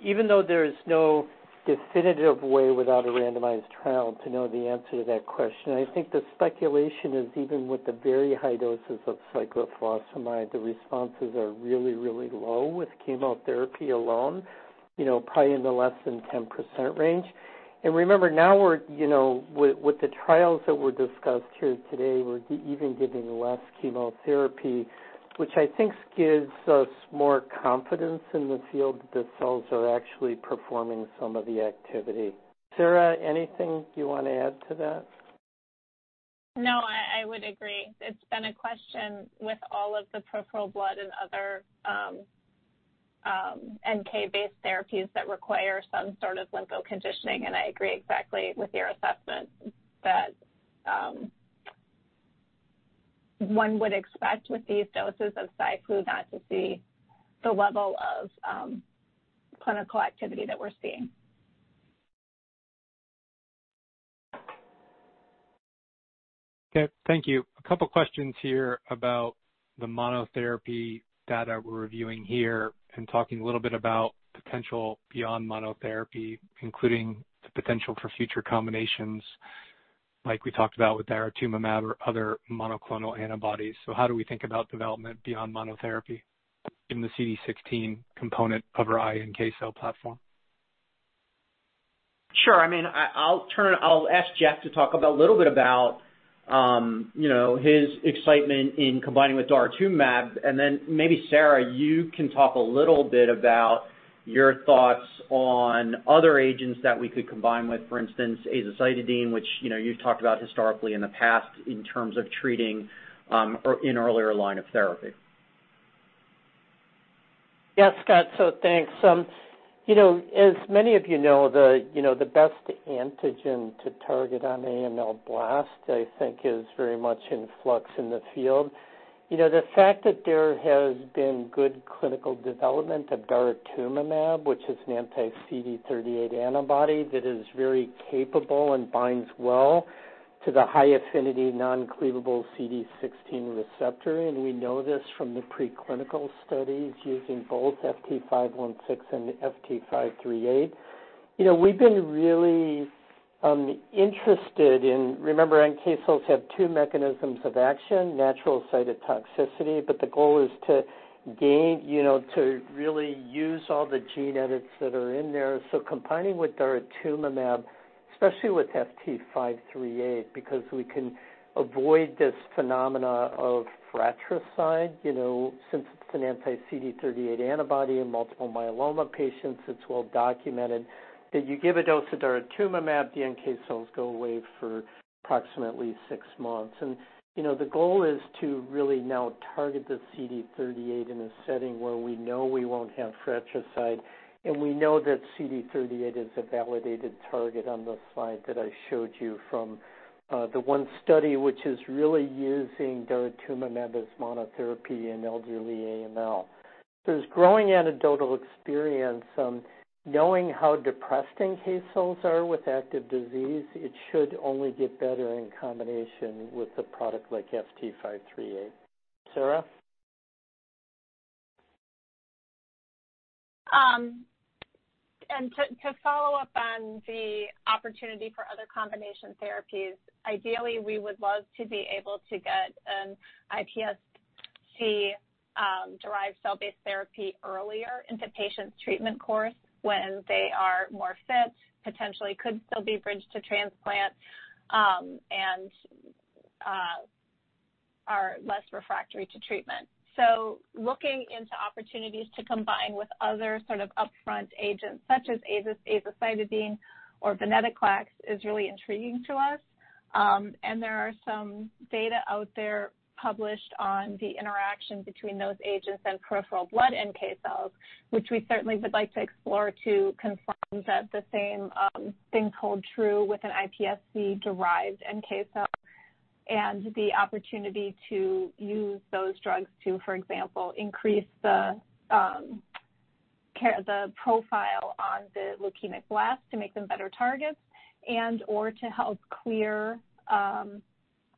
S5: even though there is no definitive way without a randomized trial to know the answer to that question, I think the speculation is even with the very high doses of cyclophosphamide, the responses are really low with chemotherapy alone, probably in the less than 10% range. Remember now with the trials that were discussed here today, we're even giving less chemotherapy, which I think gives us more confidence in the field that the cells are actually performing some of the activity. Sarah, anything you want to add to that?
S2: No, I would agree. It's been a question with all of the peripheral blood and other NK-based therapies that require some sort of lympho-conditioning, and I agree exactly with your assessment that one would expect with these doses of Cy/Flu not to see the level of clinical activity that we're seeing.
S6: Okay. Thank you. A couple questions here about the monotherapy data we're reviewing here and talking a little bit about potential beyond monotherapy, including the potential for future combinations like we talked about with daratumumab or other monoclonal antibodies. How do we think about development beyond monotherapy in the CD16 component of our NK cell platform?
S1: Sure. I'll ask Jeff to talk a little bit about his excitement in combining with daratumumab, and then maybe Sarah, you can talk a little bit about your thoughts on other agents that we could combine with, for instance, azacitidine, which you've talked about historically in the past in terms of treating in earlier line of therapy.
S5: Yeah, Scott. Thanks. As many of you know, the best antigen to target on AML blast, I think is very much in flux in the field. The fact that there has been good clinical development of daratumumab, which is an anti-CD38 antibody that is very capable and binds well to the high affinity non-cleavable CD16 receptor. We know this from the preclinical studies using both FT516 and FT538. We've been really interested in, remember, NK cells have two mechanisms of action, natural cytotoxicity, but the goal is to really use all the gene edits that are in there. Combining with daratumumab, especially with FT538, because we can avoid this phenomena of fratricide, since it's an anti-CD38 antibody in multiple myeloma patients, it's well documented that you give a dose of daratumumab, the NK cells go away for approximately six months. The goal is to really now target the CD38 in a setting where we know we won't have fratricide, and we know that CD38 is a validated target on the slide that I showed you from the one study, which is really using daratumumab as monotherapy in elderly AML. There's growing anecdotal experience knowing how depressed NK cells are with active disease, it should only get better in combination with a product like FT538. Sarah?
S2: To follow up on the opportunity for other combination therapies, ideally, we would love to be able to get an iPSC-derived cell-based therapy earlier into patients' treatment course when they are more fit, potentially could still be bridged to transplant, and are less refractory to treatment. Looking into opportunities to combine with other sort of upfront agents such as azacitidine or venetoclax is really intriguing to us. There are some data out there published on the interaction between those agents and peripheral blood NK cells, which we certainly would like to explore to confirm that the same things hold true with an iPSC-derived NK cell and the opportunity to use those drugs to, for example, increase the profile on the leukemic blast to make them better targets and/or to help clear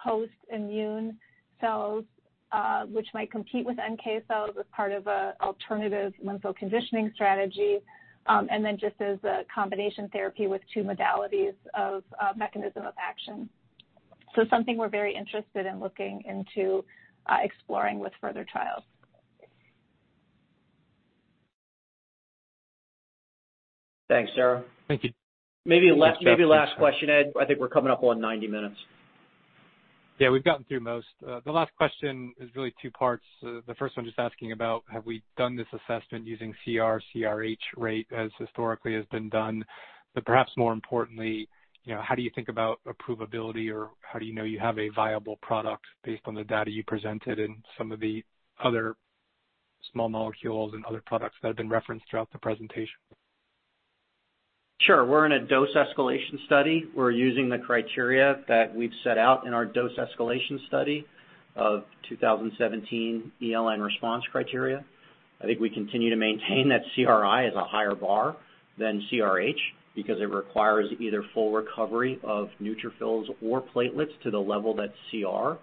S2: post-immune cells which might compete with NK cells as part of an alternative lympho-conditioning strategy. Just as a combination therapy with two modalities of mechanism of action. Something we're very interested in looking into exploring with further trials.
S1: Thanks, Sarah.
S5: Thank you.
S1: Maybe last question, Ed. I think we're coming up on 90 minutes.
S6: Yeah, we've gotten through most. The last question is really two parts. The first one just asking about, have we done this assessment using CR/CRh rate as historically has been done, but perhaps more importantly, how do you think about approvability or how do you know you have a viable product based on the data you presented and some of the other small molecules and other products that have been referenced throughout the presentation?
S1: Sure. We're in a dose escalation study. We're using the criteria that we've set out in our dose escalation study of 2017 ELN response criteria. I think we continue to maintain that CRi is a higher bar than CRh because it requires either full recovery of neutrophils or platelets to the level that CR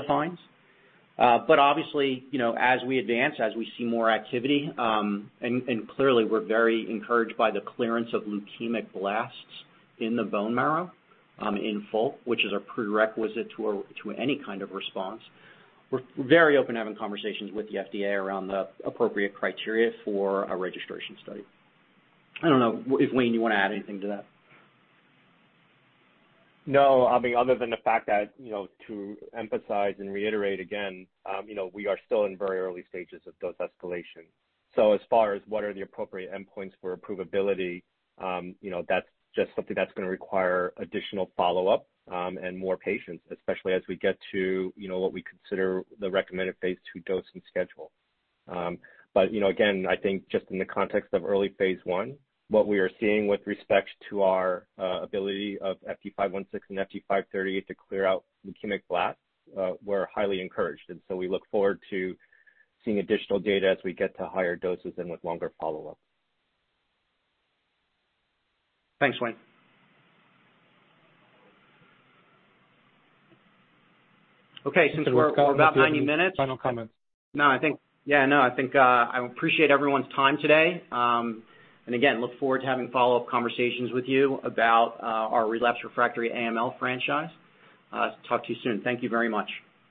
S1: defines. Obviously, as we advance, as we see more activity, and clearly we're very encouraged by the clearance of leukemic blasts in the bone marrow in full, which is a prerequisite to any kind of response. We're very open to having conversations with the FDA around the appropriate criteria for a registration study. I don't know if, Waye, you want to add anything to that?
S4: No. Other than the fact that, to emphasize and reiterate again, we are still in very early stages of dose escalation. As far as what are the appropriate endpoints for approvability, that's just something that's going to require additional follow-up and more patience, especially as we get to what we consider the recommended phase II dose and schedule. Again, I think just in the context of early phase I, what we are seeing with respect to our ability of FT516 and FT538 to clear out leukemic blasts, we're highly encouraged. We look forward to seeing additional data as we get to higher doses and with longer follow-up.
S1: Thanks, Waye. Okay, since we're about 90 minutes.
S6: Final comments.
S1: I think I appreciate everyone's time today. Again, look forward to having follow-up conversations with you about our relapsed/refractory AML franchise. Talk to you soon. Thank you very much.